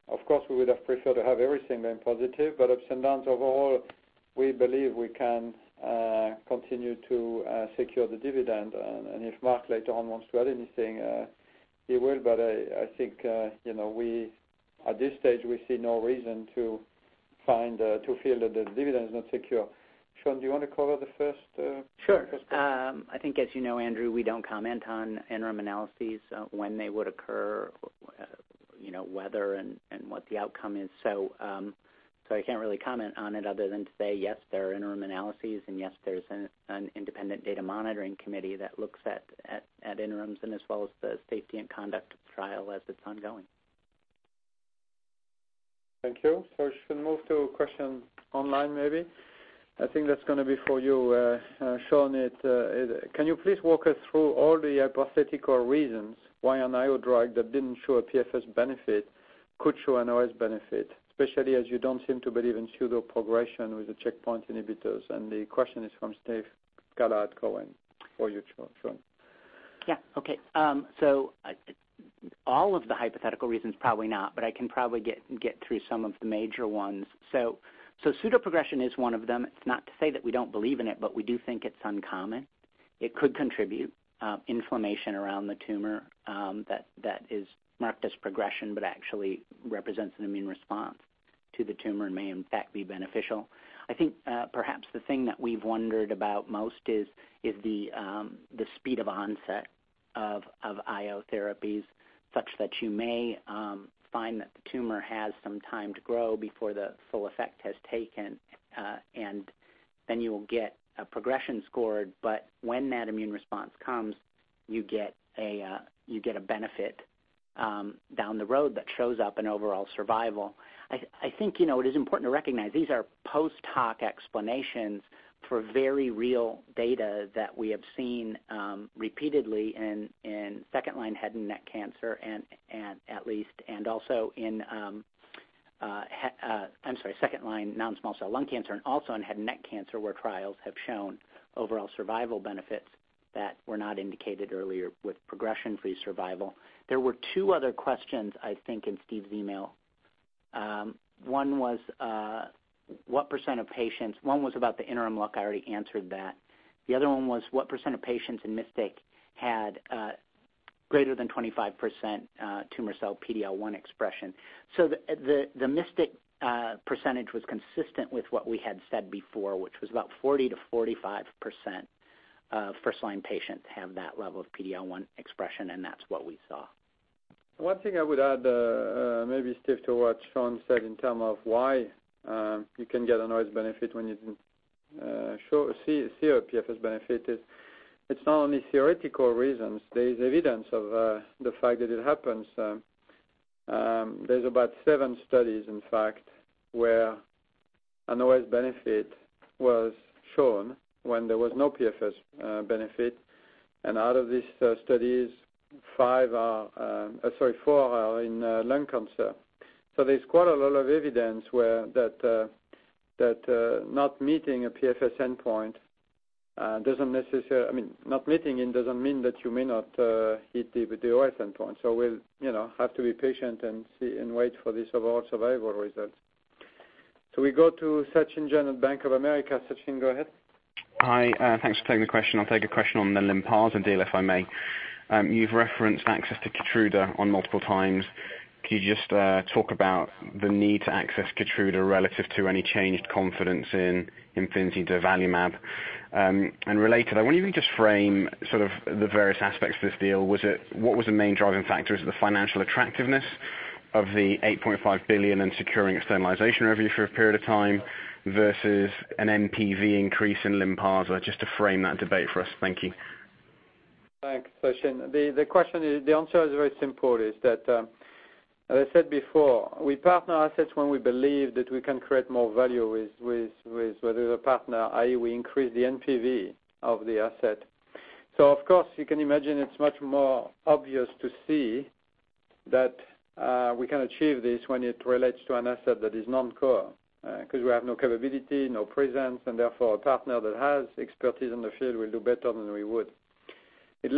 Of course, we would have preferred to have everything being positive, ups and downs overall, we believe we can continue to secure the dividend. If Marc later on wants to add anything, he will, but I think at this stage we see no reason to feel that the dividend is not secure. Sean, do you want to cover the first question? Sure. I think as you know, Andrew, we don't comment on interim analyses, when they would occur, whether and what the outcome is. I can't really comment on it other than to say, yes, there are interim analyses and yes, there's an independent data monitoring committee that looks at interims and as well as the safety and conduct of the trial as it's ongoing. Thank you. I should move to a question online, maybe. I think that's going to be for you, Sean. Can you please walk us through all the hypothetical reasons why an IO drug that didn't show a PFS benefit could show an OS benefit, especially as you don't seem to believe in pseudo progression with the checkpoint inhibitors? The question is from Steve Scala. For you, Sean. Okay. All of the hypothetical reasons, probably not, but I can probably get through some of the major ones. Pseudo progression is one of them. It's not to say that we don't believe in it, but we do think it's uncommon. It could contribute inflammation around the tumor that is marked as progression, but actually represents an immune response to the tumor and may, in fact, be beneficial. I think perhaps the thing that we've wondered about most is the speed of onset of IO therapies, such that you may find that the tumor has some time to grow before the full effect has taken, and then you will get a progression scored. When that immune response comes, you get a benefit down the road that shows up in overall survival. I think it is important to recognize, these are post hoc explanations for very real data that we have seen repeatedly in second-line head and neck cancer at least, and also in-- I'm sorry, second-line non-small-cell lung cancer, and also in head and neck cancer, where trials have shown overall survival benefits that were not indicated earlier with progression-free survival. There were two other questions, I think, in Steve Scala's email. One was what percent of patients-- One was about the interim look, I already answered that. The other one was what percent of patients in MYSTIC had greater than 25% tumor cell PD-L1 expression? The MYSTIC percentage was consistent with what we had said before, which was about 40%-45% of first-line patients have that level of PD-L1 expression, and that's what we saw. One thing I would add, maybe Steve, to what Sean said in terms of why you can get an OS benefit when you see a PFS benefit is it's not only theoretical reasons. There is evidence of the fact that it happens. There's about seven studies, in fact, where an OS benefit was shown when there was no PFS benefit. Out of these studies, four are in lung cancer. There's quite a lot of evidence where that not meeting a PFS endpoint doesn't necessarily mean that you may not hit the OS endpoint. We'll have to be patient and see and wait for these overall survival results. We go to Sachin Jain of Bank of America. Sachin, go ahead. Hi. Thanks for taking the question. I'll take a question on the Lynparza deal, if I may. You've referenced access to KEYTRUDA on multiple times. Can you just talk about the need to access KEYTRUDA relative to any changed confidence in Imfinzi durvalumab? Related, I wonder if you could just frame sort of the various aspects of this deal. What was the main driving factor? Is it the financial attractiveness of the $8.5 billion in securing externalization revenue for a period of time versus an NPV increase in Lynparza? To frame that debate for us. Thank you. Thanks, Sachin. The answer is very simple, is that as I said before, we partner assets when we believe that we can create more value with a partner, i.e., we increase the NPV of the asset. Of course, you can imagine it's much more obvious to see that we can achieve this when it relates to an asset that is non-core, because we have no capability, no presence, and therefore a partner that has expertise in the field will do better than we would. It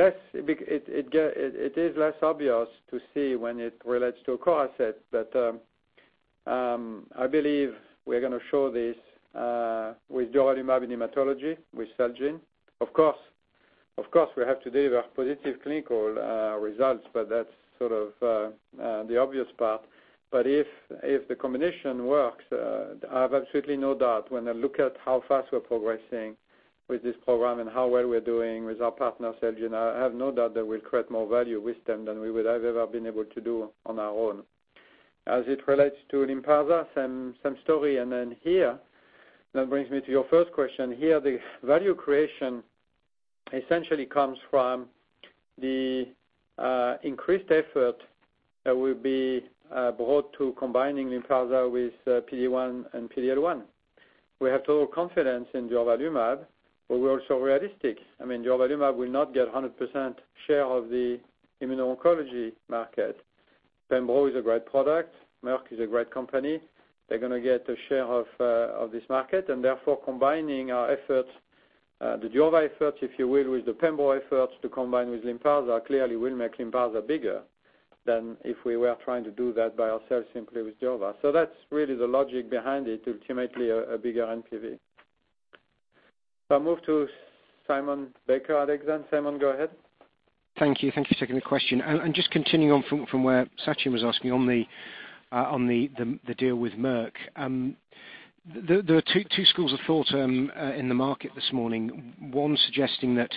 is less obvious to see when it relates to a core asset, but I believe we're going to show this with durvalumab in hematology with Celgene. We have to deliver positive clinical results, but that's sort of the obvious part. If the combination works, I have absolutely no doubt when I look at how fast we're progressing with this program and how well we're doing with our partner, Celgene, I have no doubt that we'll create more value with them than we would have ever been able to do on our own. As it relates to Lynparza, same story. Then here, that brings me to your first question. Here, the value creation essentially comes from the increased effort that will be brought to combining Lynparza with PD-1 and PD-L1. We have total confidence in durvalumab, but we're also realistic. I mean, durvalumab will not get 100% share of the immuno-oncology market. Pembro is a great product. Merck is a great company. They're going to get a share of this market. Combining our efforts, the Jova efforts, if you will, with the pembro efforts to combine with Lynparza clearly will make Lynparza bigger than if we were trying to do that by ourselves simply with Jova. That's really the logic behind it, ultimately a bigger NPV. If I move to Simon Baker at Exane. Simon, go ahead. Thank you. Thank you for taking the question. Just continuing on from where Sachin was asking on the deal with Merck. There are two schools of thought in the market this morning. One suggesting that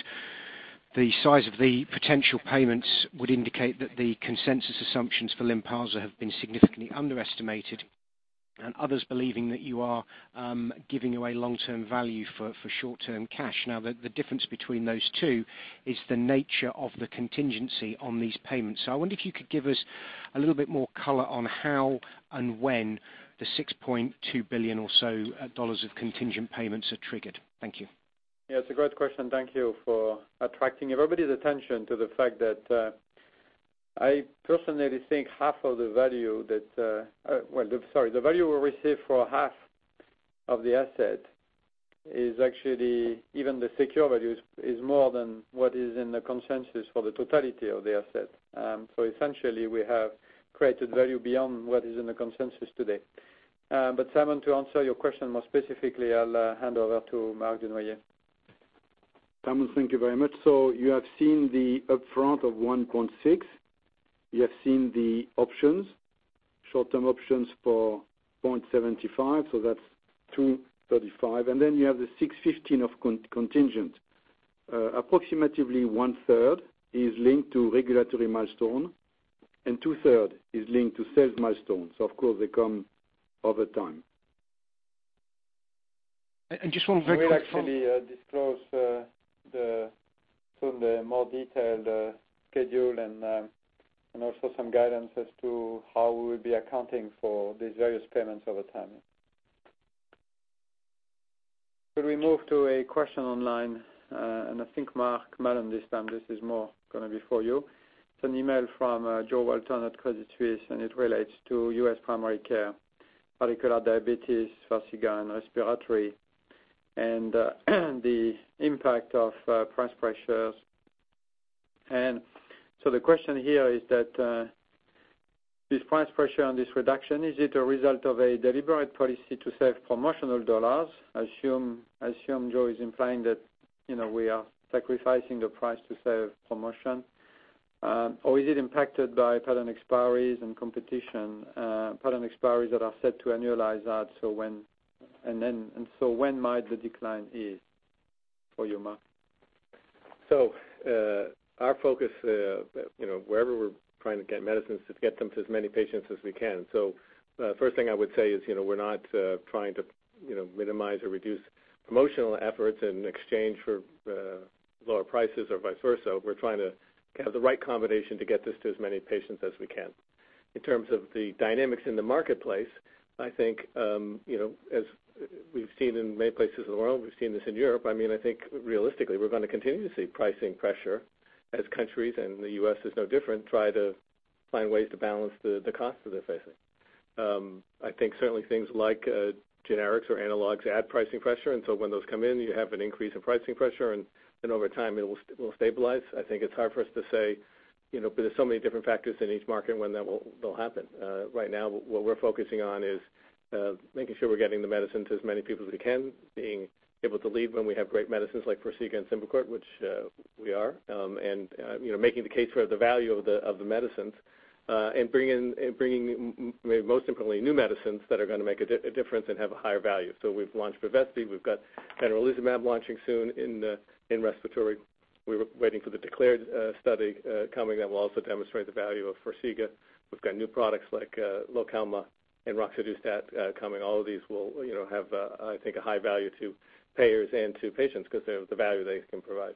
the size of the potential payments would indicate that the consensus assumptions for Lynparza have been significantly underestimated, and others believing that you are giving away long-term value for short-term cash. Now, the difference between those two is the nature of the contingency on these payments. I wonder if you could give us a little bit more color on how and when the $6.2 billion or so of contingent payments are triggered. Thank you. It's a great question. Thank you for attracting everybody's attention to the fact that I personally think half of the value, sorry, the value we receive for half of the asset is actually even the secure value is more than what is in the consensus for the totality of the asset. Essentially, we have created value beyond what is in the consensus today. Simon, to answer your question more specifically, I'll hand over to Marc Dunoyer. Simon, thank you very much. You have seen the upfront of $1.6. You have seen the options, short-term options for $0.75, that's $235, and then you have the $615 of contingent. Approximately one-third is linked to regulatory milestone and two-third is linked to sales milestones. Of course, they come over time. just one very quick We'll actually disclose soon the more detailed schedule and also some guidance as to how we will be accounting for these various payments over time. Could we move to a question online? I think Mark Mallon this time this is more going to be for you. It's an email from Jo Walton at Credit Suisse, and it relates to U.S. primary care, particular diabetes, Farxiga, respiratory, and the impact of price pressures. The question here is that this price pressure on this reduction, is it a result of a deliberate policy to save promotional dollars? I assume Jo is implying that we are sacrificing the price to save promotion. Is it impacted by patent expiries and competition, patent expiries that are set to annualize out, when might the decline is? For you, Marc. Our focus wherever we're trying to get medicines is to get them to as many patients as we can. First thing I would say is we're not trying to minimize or reduce promotional efforts in exchange for lower prices or vice versa. We're trying to have the right combination to get this to as many patients as we can. In terms of the dynamics in the marketplace, I think, as we've seen in many places in the world, we've seen this in Europe, I think realistically, we're going to continue to see pricing pressure as countries, and the U.S. is no different, try to find ways to balance the cost that they're facing. I think certainly things like generics or analogues add pricing pressure, when those come in, you have an increase in pricing pressure, and then over time it will stabilize. I think it's hard for us to say, because there's so many different factors in each market when that will happen. Right now, what we're focusing on is making sure we're getting the medicines to as many people as we can, being able to lead when we have great medicines like Farxiga and SYMBICORT, which we are. Making the case for the value of the medicines, bringing most importantly new medicines that are going to make a difference and have a higher value. We've launched Bevespi Aerosphere, we've got PT010 launching soon in respiratory. We're waiting for the DECLARE Study coming that will also demonstrate the value of Farxiga. We've got new products like Lokelma and roxadustat coming. All of these will have, I think, a high value to payers and to patients because of the value they can provide.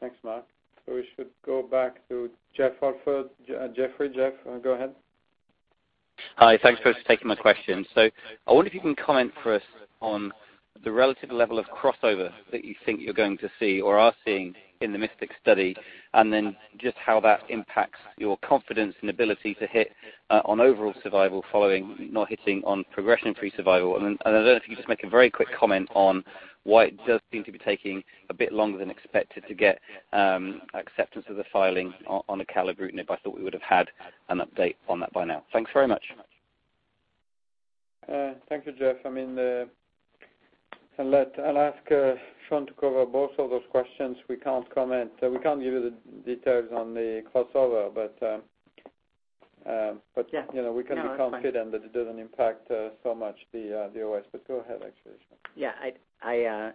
Thanks, Marc. We should go back to Jeffrey Holford. Jeffrey, Jeff, go ahead. Hi. Thanks for taking my question. I wonder if you can comment for us on the relative level of crossover that you think you're going to see or are seeing in the MYSTIC study, then just how that impacts your confidence and ability to hit on overall survival following not hitting on progression-free survival. I don't know if you could just make a very quick comment on why it does seem to be taking a bit longer than expected to get acceptance of the filing on acalabrutinib. I thought we would have had an update on that by now. Thanks very much. Thank you, Jeff. I'll ask Sean to cover both of those questions. We can't comment. We can't give you the details on the crossover. Yeah. No, that's fine. We can be confident that it doesn't impact so much the OS. Go ahead, actually, Sean. Yeah.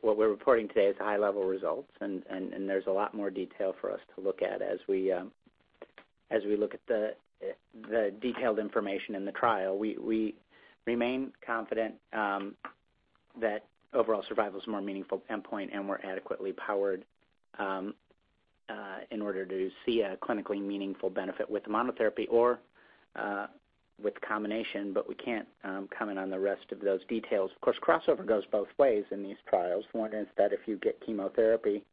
What we're reporting today is high-level results, there's a lot more detail for us to look at as we look at the detailed information in the trial. We remain confident that overall survival is a more meaningful endpoint and more adequately powered in order to see a clinically meaningful benefit with the monotherapy or with combination, but we can't comment on the rest of those details. Of course, crossover goes both ways in these trials. One is that if you get chemotherapy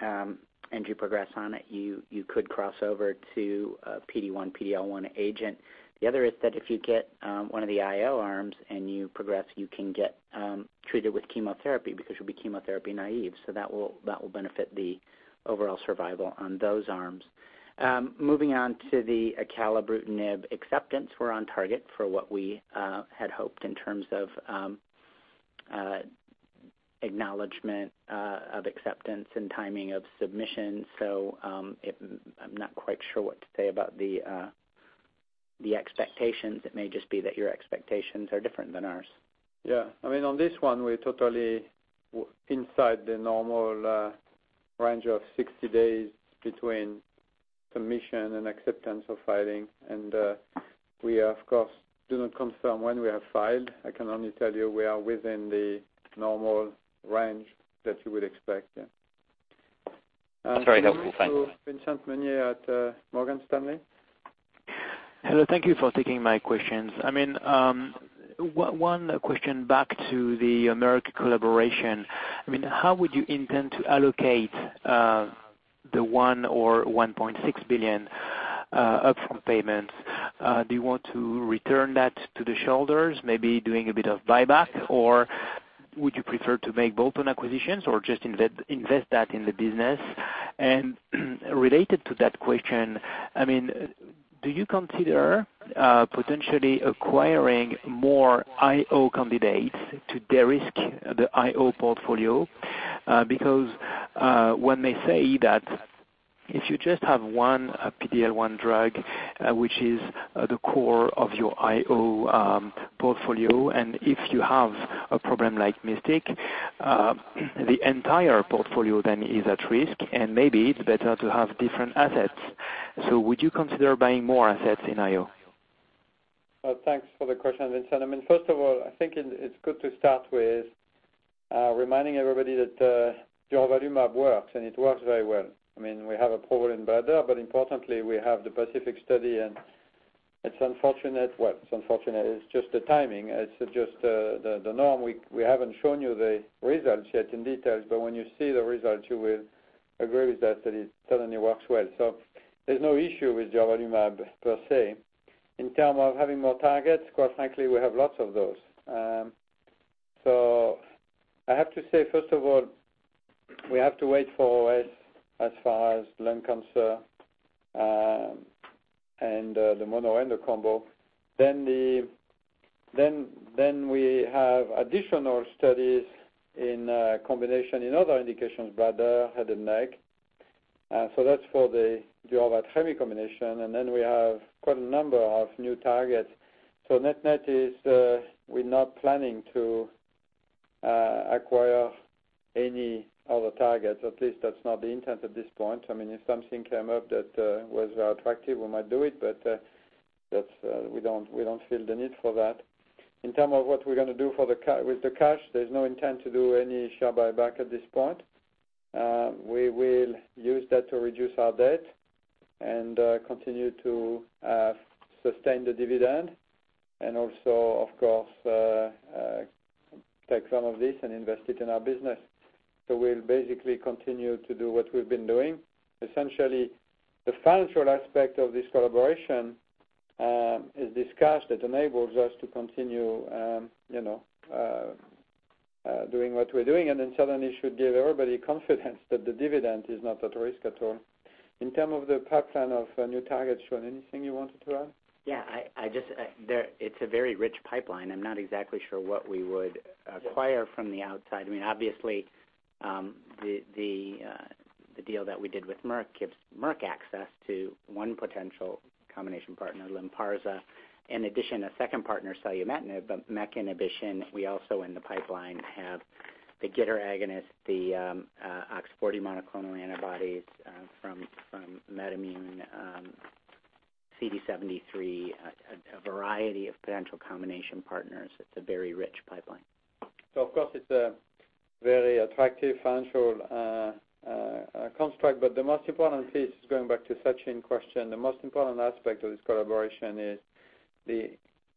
and you progress on it, you could cross over to a PD-1, PD-L1 agent. The other is that if you get one of the IO arms and you progress, you can get treated with chemotherapy because you'll be chemotherapy naive. That will benefit the overall survival on those arms. Moving on to the acalabrutinib acceptance, we're on target for what we had hoped in terms of acknowledgement of acceptance and timing of submission. I'm not quite sure what to say about the expectations. It may just be that your expectations are different than ours. Yeah. On this one, we're totally inside the normal range of 60 days between submission and acceptance of filing. We, of course, do not confirm when we have filed. I can only tell you we are within the normal range that you would expect, yeah. That's very helpful. Thank you. Vincent Meunier at Morgan Stanley. Hello. Thank you for taking my questions. One question back to the Merck collaboration. How would you intend to allocate the $1 or $1.6 billion upfront payments? Do you want to return that to the shareholders, maybe doing a bit of buyback? Would you prefer to make open acquisitions or just invest that in the business? Related to that question, do you consider potentially acquiring more IO candidates to de-risk the IO portfolio? Because when they say that if you just have one PD-L1 drug, which is the core of your IO portfolio, and if you have a problem like MYSTIC, the entire portfolio then is at risk, and maybe it's better to have different assets. Would you consider buying more assets in IO? Thanks for the question, Vincent. First of all, I think it's good to start with reminding everybody that durvalumab works, and it works very well. We have a problem in bladder, but importantly, we have the PACIFIC study, and it's unfortunate. Well, it's unfortunate. It's just the timing. It's just the norm. We haven't shown you the results yet in detail, but when you see the results, you will agree with us that it certainly works well. There's no issue with durvalumab per se. In terms of having more targets, quite frankly, we have lots of those. I have to say, first of all, we have to wait for OS as far as lung cancer and the mono and the combo. We have additional studies in combination in other indications, bladder, head and neck. That's for the durvaltremi combination. We have quite a number of new targets. Net-net is we're not planning to acquire any other targets. At least that's not the intent at this point. If something came up that was attractive, we might do it, but we don't feel the need for that. In terms of what we're going to do with the cash, there's no intent to do any share buyback at this point. We will use that to reduce our debt and continue to sustain the dividend and also, of course, take some of this and invest it in our business. We'll basically continue to do what we've been doing. Essentially, the financial aspect of this collaboration is discussed. It enables us to continue doing what we're doing, and certainly should give everybody confidence that the dividend is not at risk at all. In terms of the pipeline of new targets, Sean, anything you wanted to add? Yeah. It's a very rich pipeline. I'm not exactly sure what we would acquire from the outside. Obviously, the deal that we did with Merck gives Merck access to one potential combination partner, Lynparza. In addition, a second partner, selumetinib, the MEK inhibition. We also, in the pipeline, have the GITR agonist, the OX40 monoclonal antibodies from MedImmune, CD73, a variety of potential combination partners. It's a very rich pipeline. Of course, it's a very attractive financial construct, but the most important piece, just going back to Sachin question, the most important aspect of this collaboration is the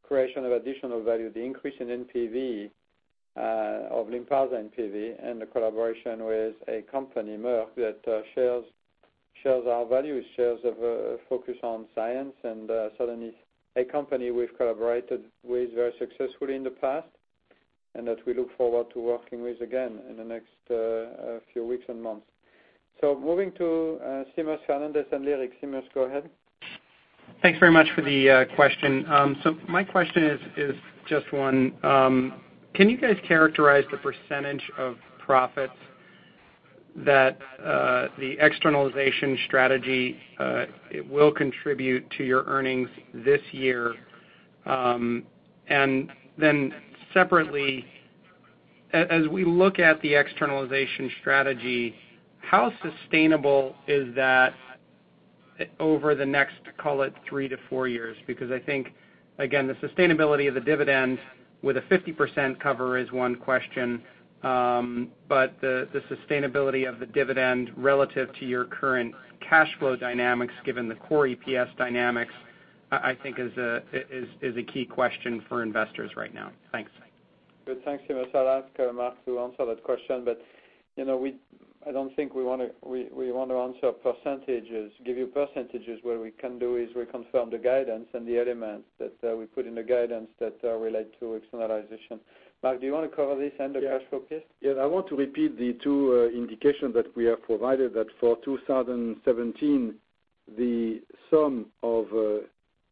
creation of additional value, the increase in NPV of Lynparza NPV, and the collaboration with a company, Merck, that shares our values, shares a focus on science, and certainly a company we've collaborated with very successfully in the past, and that we look forward to working with again in the next few weeks and months. Moving to Seamus Fernandez at Leerink. Seamus, go ahead. Thanks very much for the question. My question is just one. Can you guys characterize the % of profits that the externalization strategy will contribute to your earnings this year? Separately, as we look at the externalization strategy, how sustainable is that over the next, call it 3 to 4 years? Because I think, again, the sustainability of the dividend with a 50% cover is one question, but the sustainability of the dividend relative to your current cash flow dynamics given the core EPS dynamics, I think is a key question for investors right now. Thanks. Good. Thanks, Seamus. I'll ask Marc to answer that question. I don't think we want to answer %, give you %. What we can do is we confirm the guidance and the elements that we put in the guidance that relate to externalization. Marc, do you want to cover this and the cash flow piece? Yes, I want to repeat the 2 indications that we have provided that for 2017, the sum of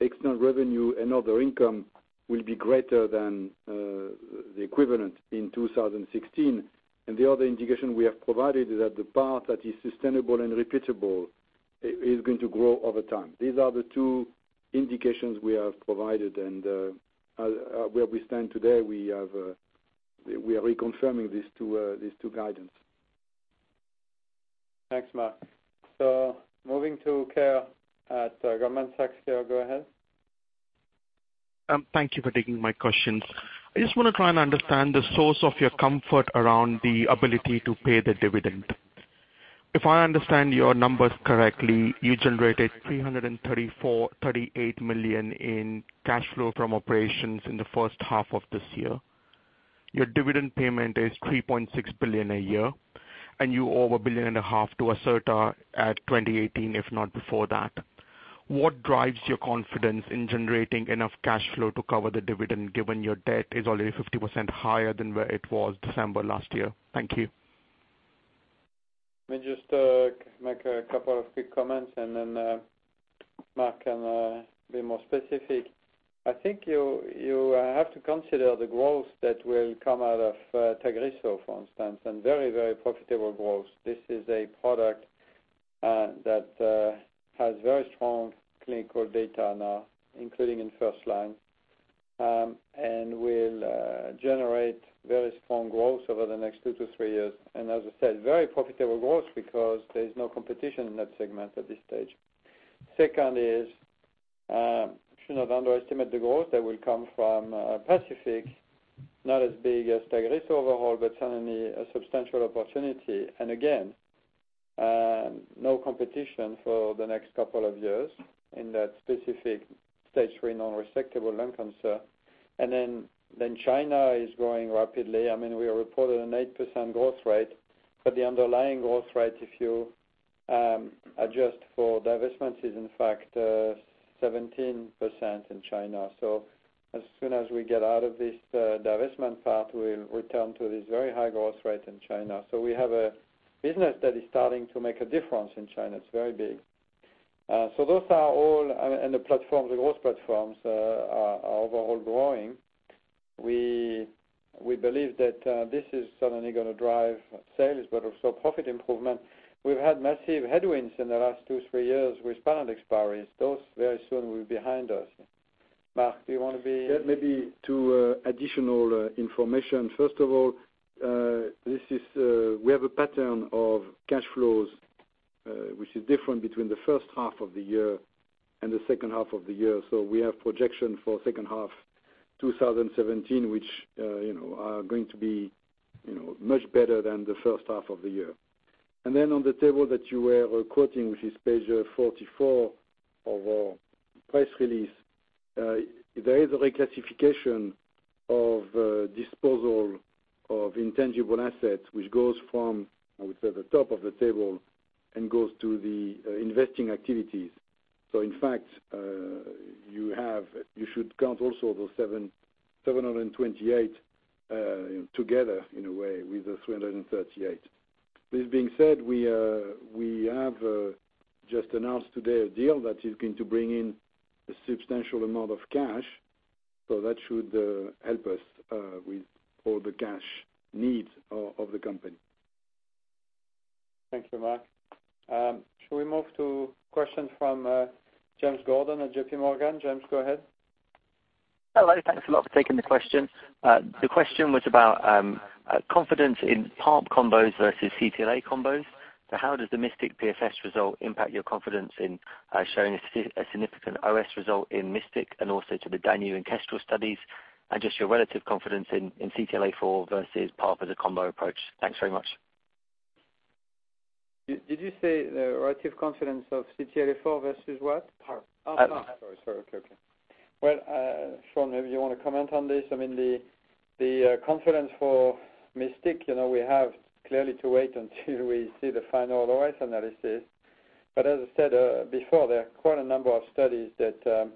external revenue and other income will be greater than the equivalent in 2016. The other indication we have provided is that the part that is sustainable and repeatable is going to grow over time. These are the 2 indications we have provided and where we stand today, we are reconfirming these 2 guidance. Thanks, Marc. Moving to Keyur at Goldman Sachs. Keyur, go ahead. Thank you for taking my questions. I just want to try and understand the source of your comfort around the ability to pay the dividend. If I understand your numbers correctly, you generated $338 million in cash flow from operations in the first half of this year. Your dividend payment is $3.6 billion a year, and you owe a billion and a half to Acerta Pharma at 2018, if not before that. What drives your confidence in generating enough cash flow to cover the dividend, given your debt is already 50% higher than where it was December last year? Thank you. Let me just make a couple of quick comments and then Marc can be more specific. I think you have to consider the growth that will come out of TAGRISSO, for instance, and very, very profitable growth. This is a product that has very strong clinical data now, including in first line, and will generate very strong growth over the next two to three years. As I said, very profitable growth because there's no competition in that segment at this stage. Second is, should not underestimate the growth that will come from PACIFIC, not as big as TAGRISSO overall, but certainly a substantial opportunity. Again, no competition for the next couple of years in that specific stage 3 non-resectable lung cancer. China is growing rapidly. We reported an 8% growth rate, but the underlying growth rate, if you adjust for divestments, is in fact 17% in China. As soon as we get out of this divestment part, we'll return to this very high growth rate in China. We have a business that is starting to make a difference in China. It's very big. The growth platforms are overall growing. We believe that this is certainly going to drive sales, but also profit improvement. We've had massive headwinds in the last two, three years with patent expiries. Those very soon will be behind us. Marc, do you want to? Maybe two additional information. First of all, we have a pattern of cash flows Which is different between the first half of the year and the second half of the year. We have projection for second half 2017, which are going to be much better than the first half of the year. On the table that you were quoting, which is page 44 of our press release, there is a reclassification of disposal of intangible assets, which goes from, I would say the top of the table and goes to the investing activities. In fact, you should count also the 728 together in a way with the 338. This being said, we have just announced today a deal that is going to bring in a substantial amount of cash, so that should help us with all the cash needs of the company. Thank you, Marc. Shall we move to questions from James Gordon at JPMorgan? James, go ahead. Hello. Thanks a lot for taking the question. The question was about confidence in PARP combos versus CTLA-4 combos. How does the MYSTIC PFS result impact your confidence in showing a significant OS result in MYSTIC and also to the DANUBE and KESTREL studies? Just your relative confidence in CTLA-4 versus PARP as a combo approach. Thanks very much. Did you say relative confidence of CTLA-4 versus what? PARP. Oh, PARP. Sorry. Okay. Well, Sean, maybe you want to comment on this. The confidence for MYSTIC, we have clearly to wait until we see the final OS analysis. As I said before, there are quite a number of studies that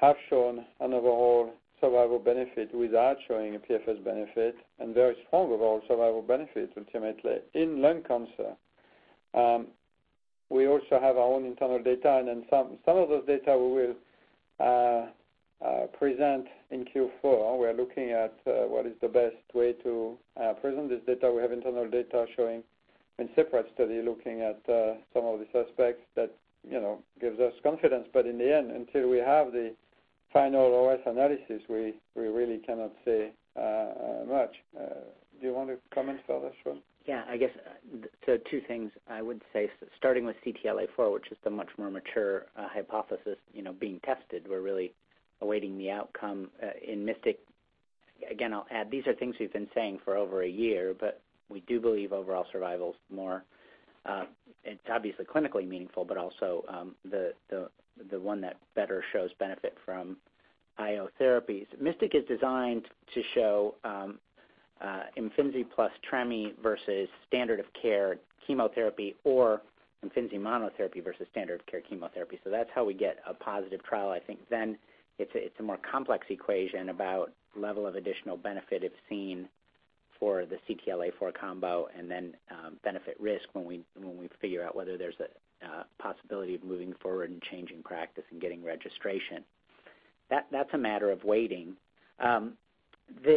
have shown an overall survival benefit without showing a PFS benefit, and very strong overall survival benefit ultimately in lung cancer. We also have our own internal data, and then some of those data we will present in Q4. We're looking at what is the best way to present this data. We have internal data showing in separate study, looking at some of the suspects that gives us confidence. In the end, until we have the final OS analysis, we really cannot say much. Do you want to comment further, Sean? Yeah. Two things I would say, starting with CTLA-4, which is the much more mature hypothesis being tested. We're really awaiting the outcome in MYSTIC. Again, I'll add, these are things we've been saying for over a year, but we do believe overall survival is obviously clinically meaningful, but also the one that better shows benefit from IO therapies. MYSTIC is designed to show Imfinzi plus Trem-I versus standard of care chemotherapy, or Imfinzi monotherapy versus standard of care chemotherapy. That's how we get a positive trial. I think then it's a more complex equation about level of additional benefit if seen for the CTLA-4 combo, and then benefit risk when we figure out whether there's a possibility of moving forward and changing practice and getting registration. That's a matter of waiting. The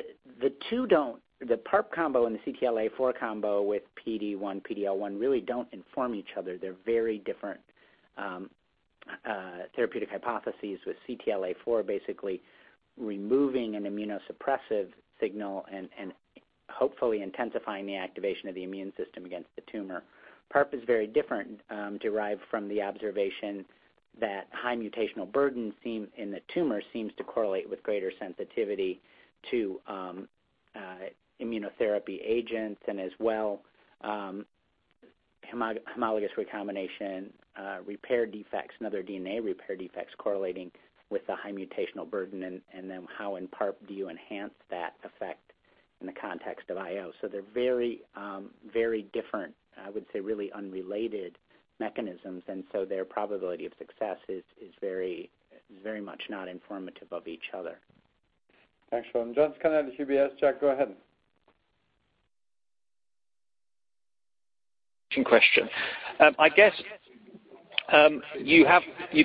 PARP combo and the CTLA-4 combo with PD-1, PD-L1 really don't inform each other. They're very different therapeutic hypotheses with CTLA-4 basically removing an immunosuppressive signal and hopefully intensifying the activation of the immune system against the tumor. PARP is very different, derived from the observation that high mutational burden in the tumor seems to correlate with greater sensitivity to immunotherapy agents and as well homologous recombination repair defects and other DNA repair defects correlating with the high mutational burden, and then how in PARP do you enhance that effect in the context of IO. They're very different, I would say, really unrelated mechanisms, and so their probability of success is very much not informative of each other. Thanks, Sean. Jack Scannell, UBS. Jack, go ahead. Question. I guess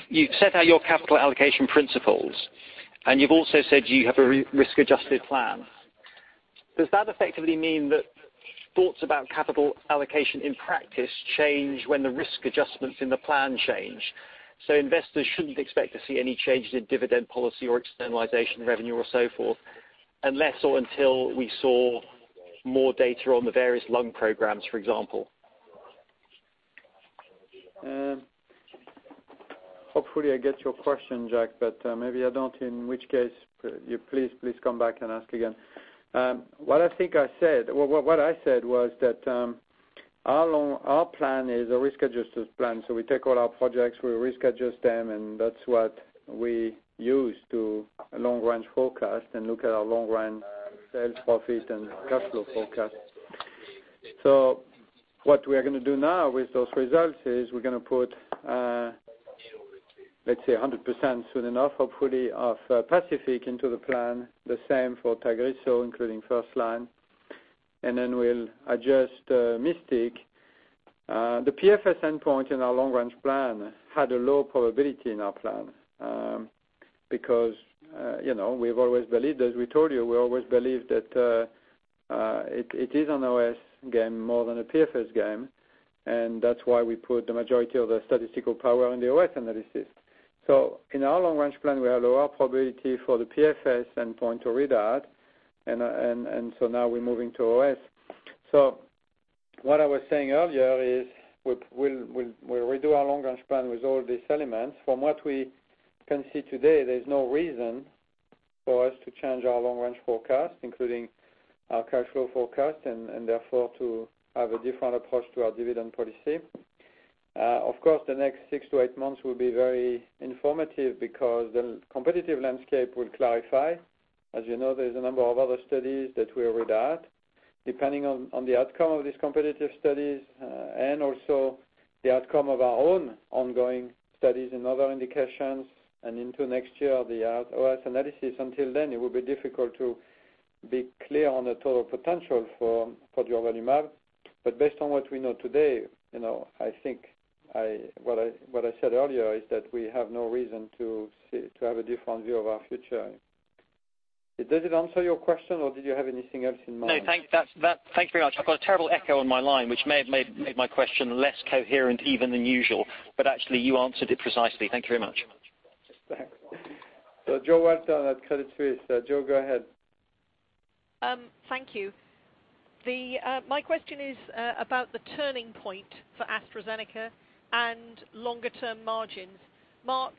you've set out your capital allocation principles, and you've also said you have a risk-adjusted plan. Does that effectively mean that thoughts about capital allocation in practice change when the risk adjustments in the plan change? Investors shouldn't expect to see any changes in dividend policy or externalization of revenue or so forth, unless or until we saw more data on the various lung programs, for example. Hopefully, I get your question, Jack, but maybe I don't, in which case please come back and ask again. What I said was that our plan is a risk-adjusted plan. We take all our projects, we risk-adjust them, and that's what we use to long range forecast and look at our long range sales profit and cash flow forecast. What we are going to do now with those results is we're going to put, let's say 100% soon enough, hopefully of PACIFIC into the plan, the same for TAGRISSO, including first line. Then we'll adjust MYSTIC. The PFS endpoint in our long-range plan had a low probability in our plan because as we told you, we always believed that it is an OS game more than a PFS game, and that's why we put the majority of the statistical power on the OS analysis. In our long-range plan, we have a lower probability for the PFS endpoint to read out. Now we're moving to OS. What I was saying earlier is we'll redo our long-range plan with all these elements. From what we can see today, there's no reason for us to change our long-range forecast, including our cash flow forecast, and therefore to have a different approach to our dividend policy. Of course, the next six to eight months will be very informative because the competitive landscape will clarify. As you know, there's a number of other studies that we read out. Depending on the outcome of these competitive studies, and also the outcome of our own ongoing studies in other indications and into next year, the OS analysis, until then, it will be difficult to be clear on the total potential for durvalumab. Based on what we know today, I think what I said earlier is that we have no reason to have a different view of our future. Does it answer your question, or did you have anything else in mind? No, thank you very much. I've got a terrible echo on my line, which may have made my question less coherent even than usual. Actually, you answered it precisely. Thank you very much. Thanks. Jo Walton at Credit Suisse. Jo, go ahead. Thank you. My question is about the turning point for AstraZeneca and longer-term margins. Marc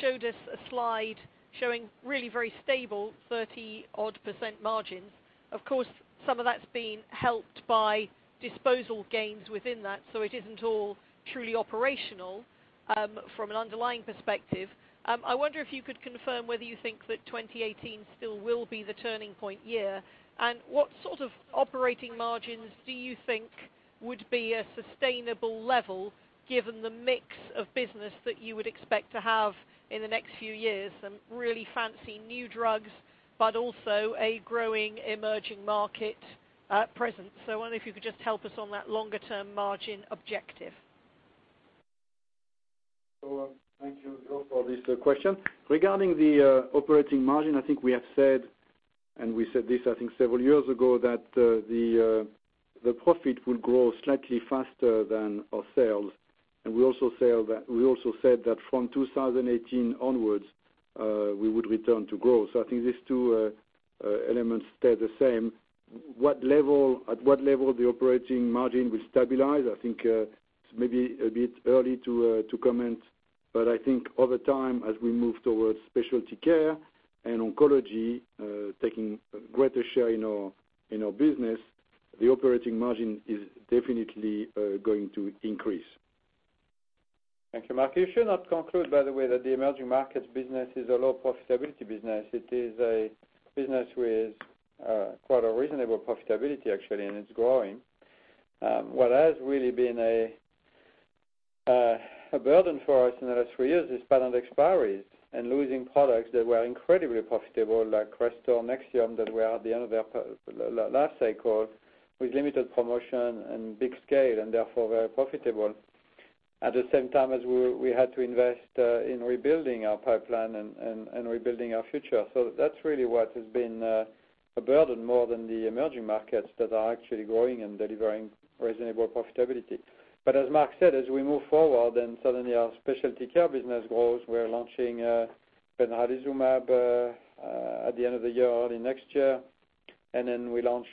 showed us a slide showing really very stable 30-odd% margins. Of course, some of that's been helped by disposal gains within that, so it isn't all truly operational from an underlying perspective. I wonder if you could confirm whether you think that 2018 still will be the turning point year, and what sort of operating margins do you think would be a sustainable level given the mix of business that you would expect to have in the next few years, some really fancy new drugs, but also a growing emerging market presence? I wonder if you could just help us on that longer-term margin objective. Thank you, Jo, for this question. Regarding the operating margin, I think we have said, and we said this I think several years ago, that the profit will grow slightly faster than our sales. We also said that from 2018 onwards, we would return to growth. I think these two elements stay the same. At what level the operating margin will stabilize, I think it's maybe a bit early to comment, but I think over time, as we move towards specialty care and oncology taking greater share in our business, the operating margin is definitely going to increase. Thank you, Marc. You should not conclude, by the way, that the emerging markets business is a low profitability business. It is a business with quite a reasonable profitability, actually, and it's growing. What has really been a burden for us in the last three years is patent expiries and losing products that were incredibly profitable, like CRESTOR and NEXIUM, that were at the end of their life cycle with limited promotion and big scale, and therefore very profitable. At the same time as we had to invest in rebuilding our pipeline and rebuilding our future. That's really what has been a burden more than the emerging markets that are actually growing and delivering reasonable profitability. As Marc said, as we move forward and suddenly our specialty care business grows, we're launching benralizumab at the end of the year or early next year, we launch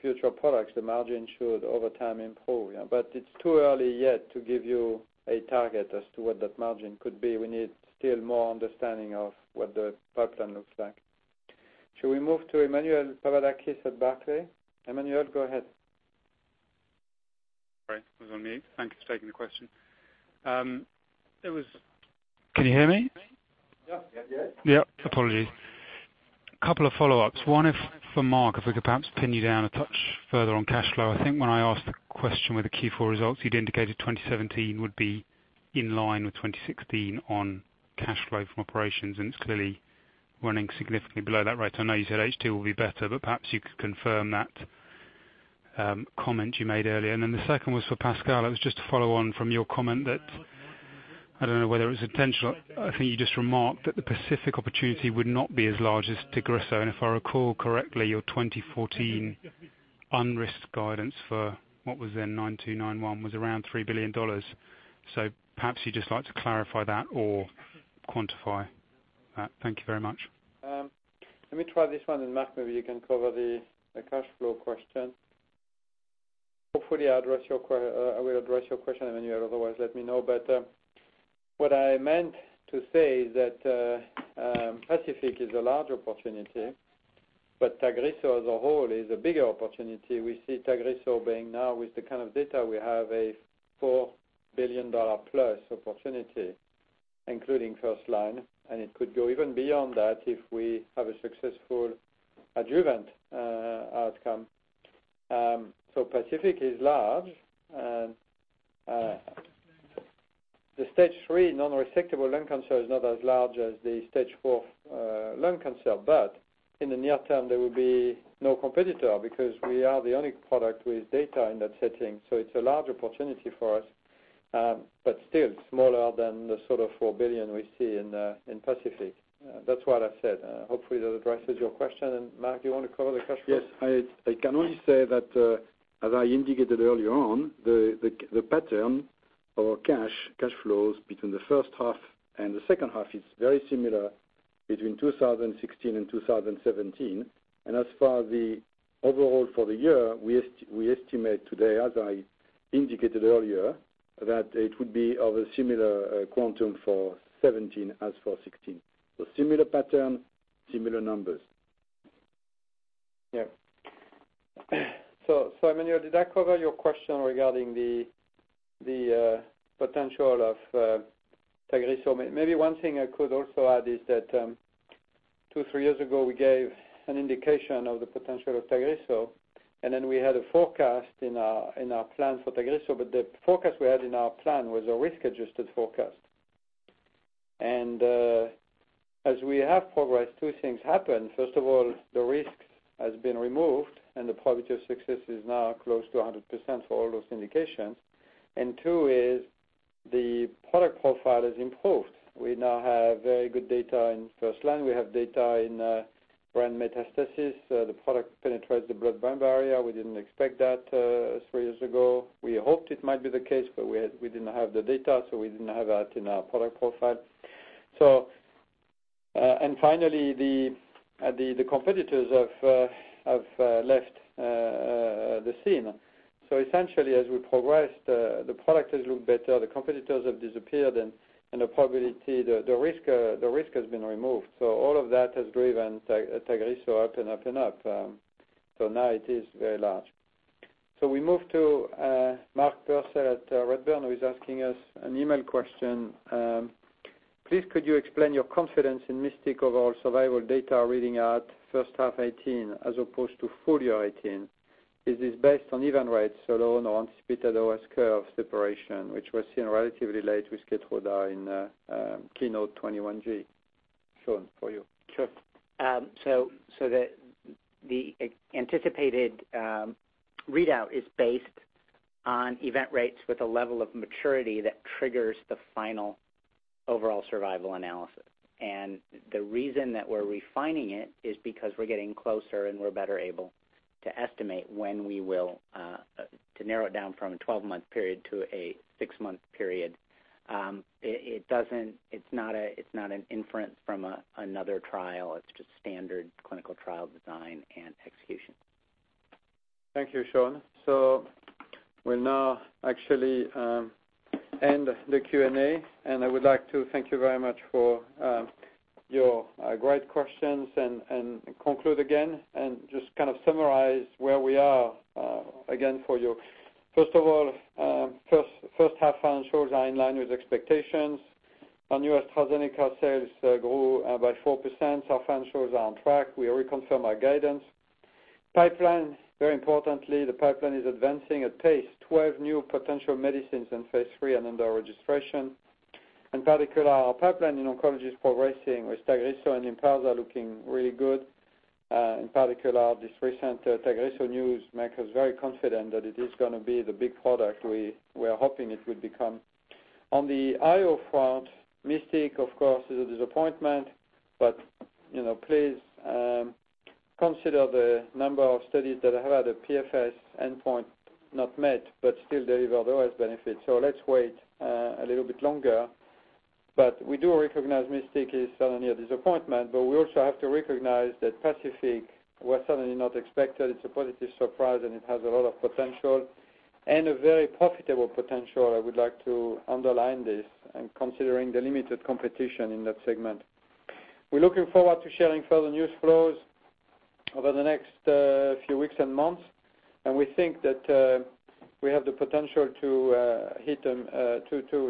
future products, the margin should, over time, improve. It's too early yet to give you a target as to what that margin could be. We need still more understanding of what the pipeline looks like. Should we move to Emmanuel Papadakis at Barclays? Emmanuel, go ahead. Sorry, I was on mute. Thank you for taking the question. Can you hear me? Yeah. Yeah. Apologies. Couple of follow-ups. One for Marc, if we could perhaps pin you down a touch further on cash flow. I think when I asked the question with the Q4 results, you'd indicated 2017 would be in line with 2016 on cash flow from operations, and it's clearly running significantly below that rate. I know you said H2 will be better, but perhaps you could confirm that comment you made earlier. The second was for Pascal. It was just to follow on from your comment that, I don't know whether it was intentional, I think you just remarked that the PACIFIC opportunity would not be as large as TAGRISSO. If I recall correctly, your 2014 unrisked guidance for what was then 9291 was around $3 billion. Perhaps you'd just like to clarify that or quantify that. Thank you very much. Let me try this one. Marc, maybe you can cover the cash flow question. Hopefully, I will address your question, Emmanuel. Otherwise, let me know. What I meant to say is that PACIFIC is a large opportunity. TAGRISSO as a whole is a bigger opportunity. We see TAGRISSO being now, with the kind of data we have, a $4 billion+ opportunity, including first line, and it could go even beyond that if we have a successful adjuvant outcome. PACIFIC is large, and the Stage 3 non-resectable lung cancer is not as large as the Stage 4 lung cancer. In the near term, there will be no competitor because we are the only product with data in that setting. It's a large opportunity for us. Still, smaller than the sort of $4 billion we see in PACIFIC. That's what I said. Hopefully, that addresses your question. Marc, do you want to cover the cash flow? Yes. I can only say that, as I indicated earlier on, the pattern Our cash flows between the first half and the second half is very similar between 2016 and 2017. As for the overall for the year, we estimate today, as I indicated earlier, that it would be of a similar quantum for 2017 as for 2016. Similar pattern, similar numbers. Emmanuel, did that cover your question regarding the potential of Tagrisso? Maybe one thing I could also add is that two, three years ago, we gave an indication of the potential of Tagrisso, and then we had a forecast in our plan for Tagrisso, but the forecast we had in our plan was a risk-adjusted forecast. As we have progressed, two things happened. First of all, the risk has been removed and the probability of success is now close to 100% for all those indications. Two is the product profile has improved. We now have very good data in first line. We have data in brain metastasis. The product penetrates the blood-brain barrier. We didn't expect that three years ago. We hoped it might be the case, but we didn't have the data, so we didn't have that in our product profile. Finally, the competitors have left the scene. Essentially, as we progressed, the product has looked better, the competitors have disappeared, and the probability, the risk has been removed. All of that has driven Tagrisso up and up and up. Now it is very large. We move to Mark Purcell at Redburn, who is asking us an email question. "Please could you explain your confidence in MYSTIC overall survival data reading at first half 2018 as opposed to full year 2018? Is this based on event rates or low non-anticipated OS curve separation, which was seen relatively late with Kisqali in KEYNOTE-021G?" Sean, for you. Sure. The anticipated readout is based on event rates with a level of maturity that triggers the final overall survival analysis. The reason that we're refining it is because we're getting closer and we're better able to estimate to narrow it down from a 12-month period to a six-month period. It's not an inference from another trial. It's just standard clinical trial design and execution. Thank you, Sean. We'll now actually end the Q&A. I would like to thank you very much for your great questions and conclude again and just kind of summarize where we are again for you. First of all, first half financials are in line with expectations. Our new AstraZeneca sales grew by 4%. Our financials are on track. We reconfirm our guidance. Pipeline, very importantly, the pipeline is advancing at pace. 12 new potential medicines in phase III and under registration. In particular, our pipeline in oncology is progressing with TAGRISSO and Imfinzi looking really good. In particular, this recent TAGRISSO news make us very confident that it is going to be the big product we are hoping it would become. On the IO front, MYSTIC, of course, is a disappointment. Please consider the number of studies that have had a PFS endpoint not met but still delivered OS benefits. Let's wait a little bit longer. We do recognize MYSTIC is certainly a disappointment. We also have to recognize that PACIFIC was certainly not expected. It's a positive surprise, and it has a lot of potential and a very profitable potential. I would like to underline this and considering the limited competition in that segment. We're looking forward to sharing further news flows over the next few weeks and months. We think that we have the potential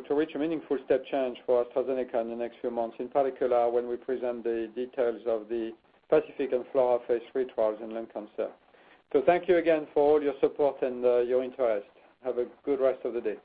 to reach a meaningful step change for AstraZeneca in the next few months, in particular when we present the details of the PACIFIC and FLAURA phase III trials in lung cancer. Thank you again for all your support and your interest. Have a good rest of the day.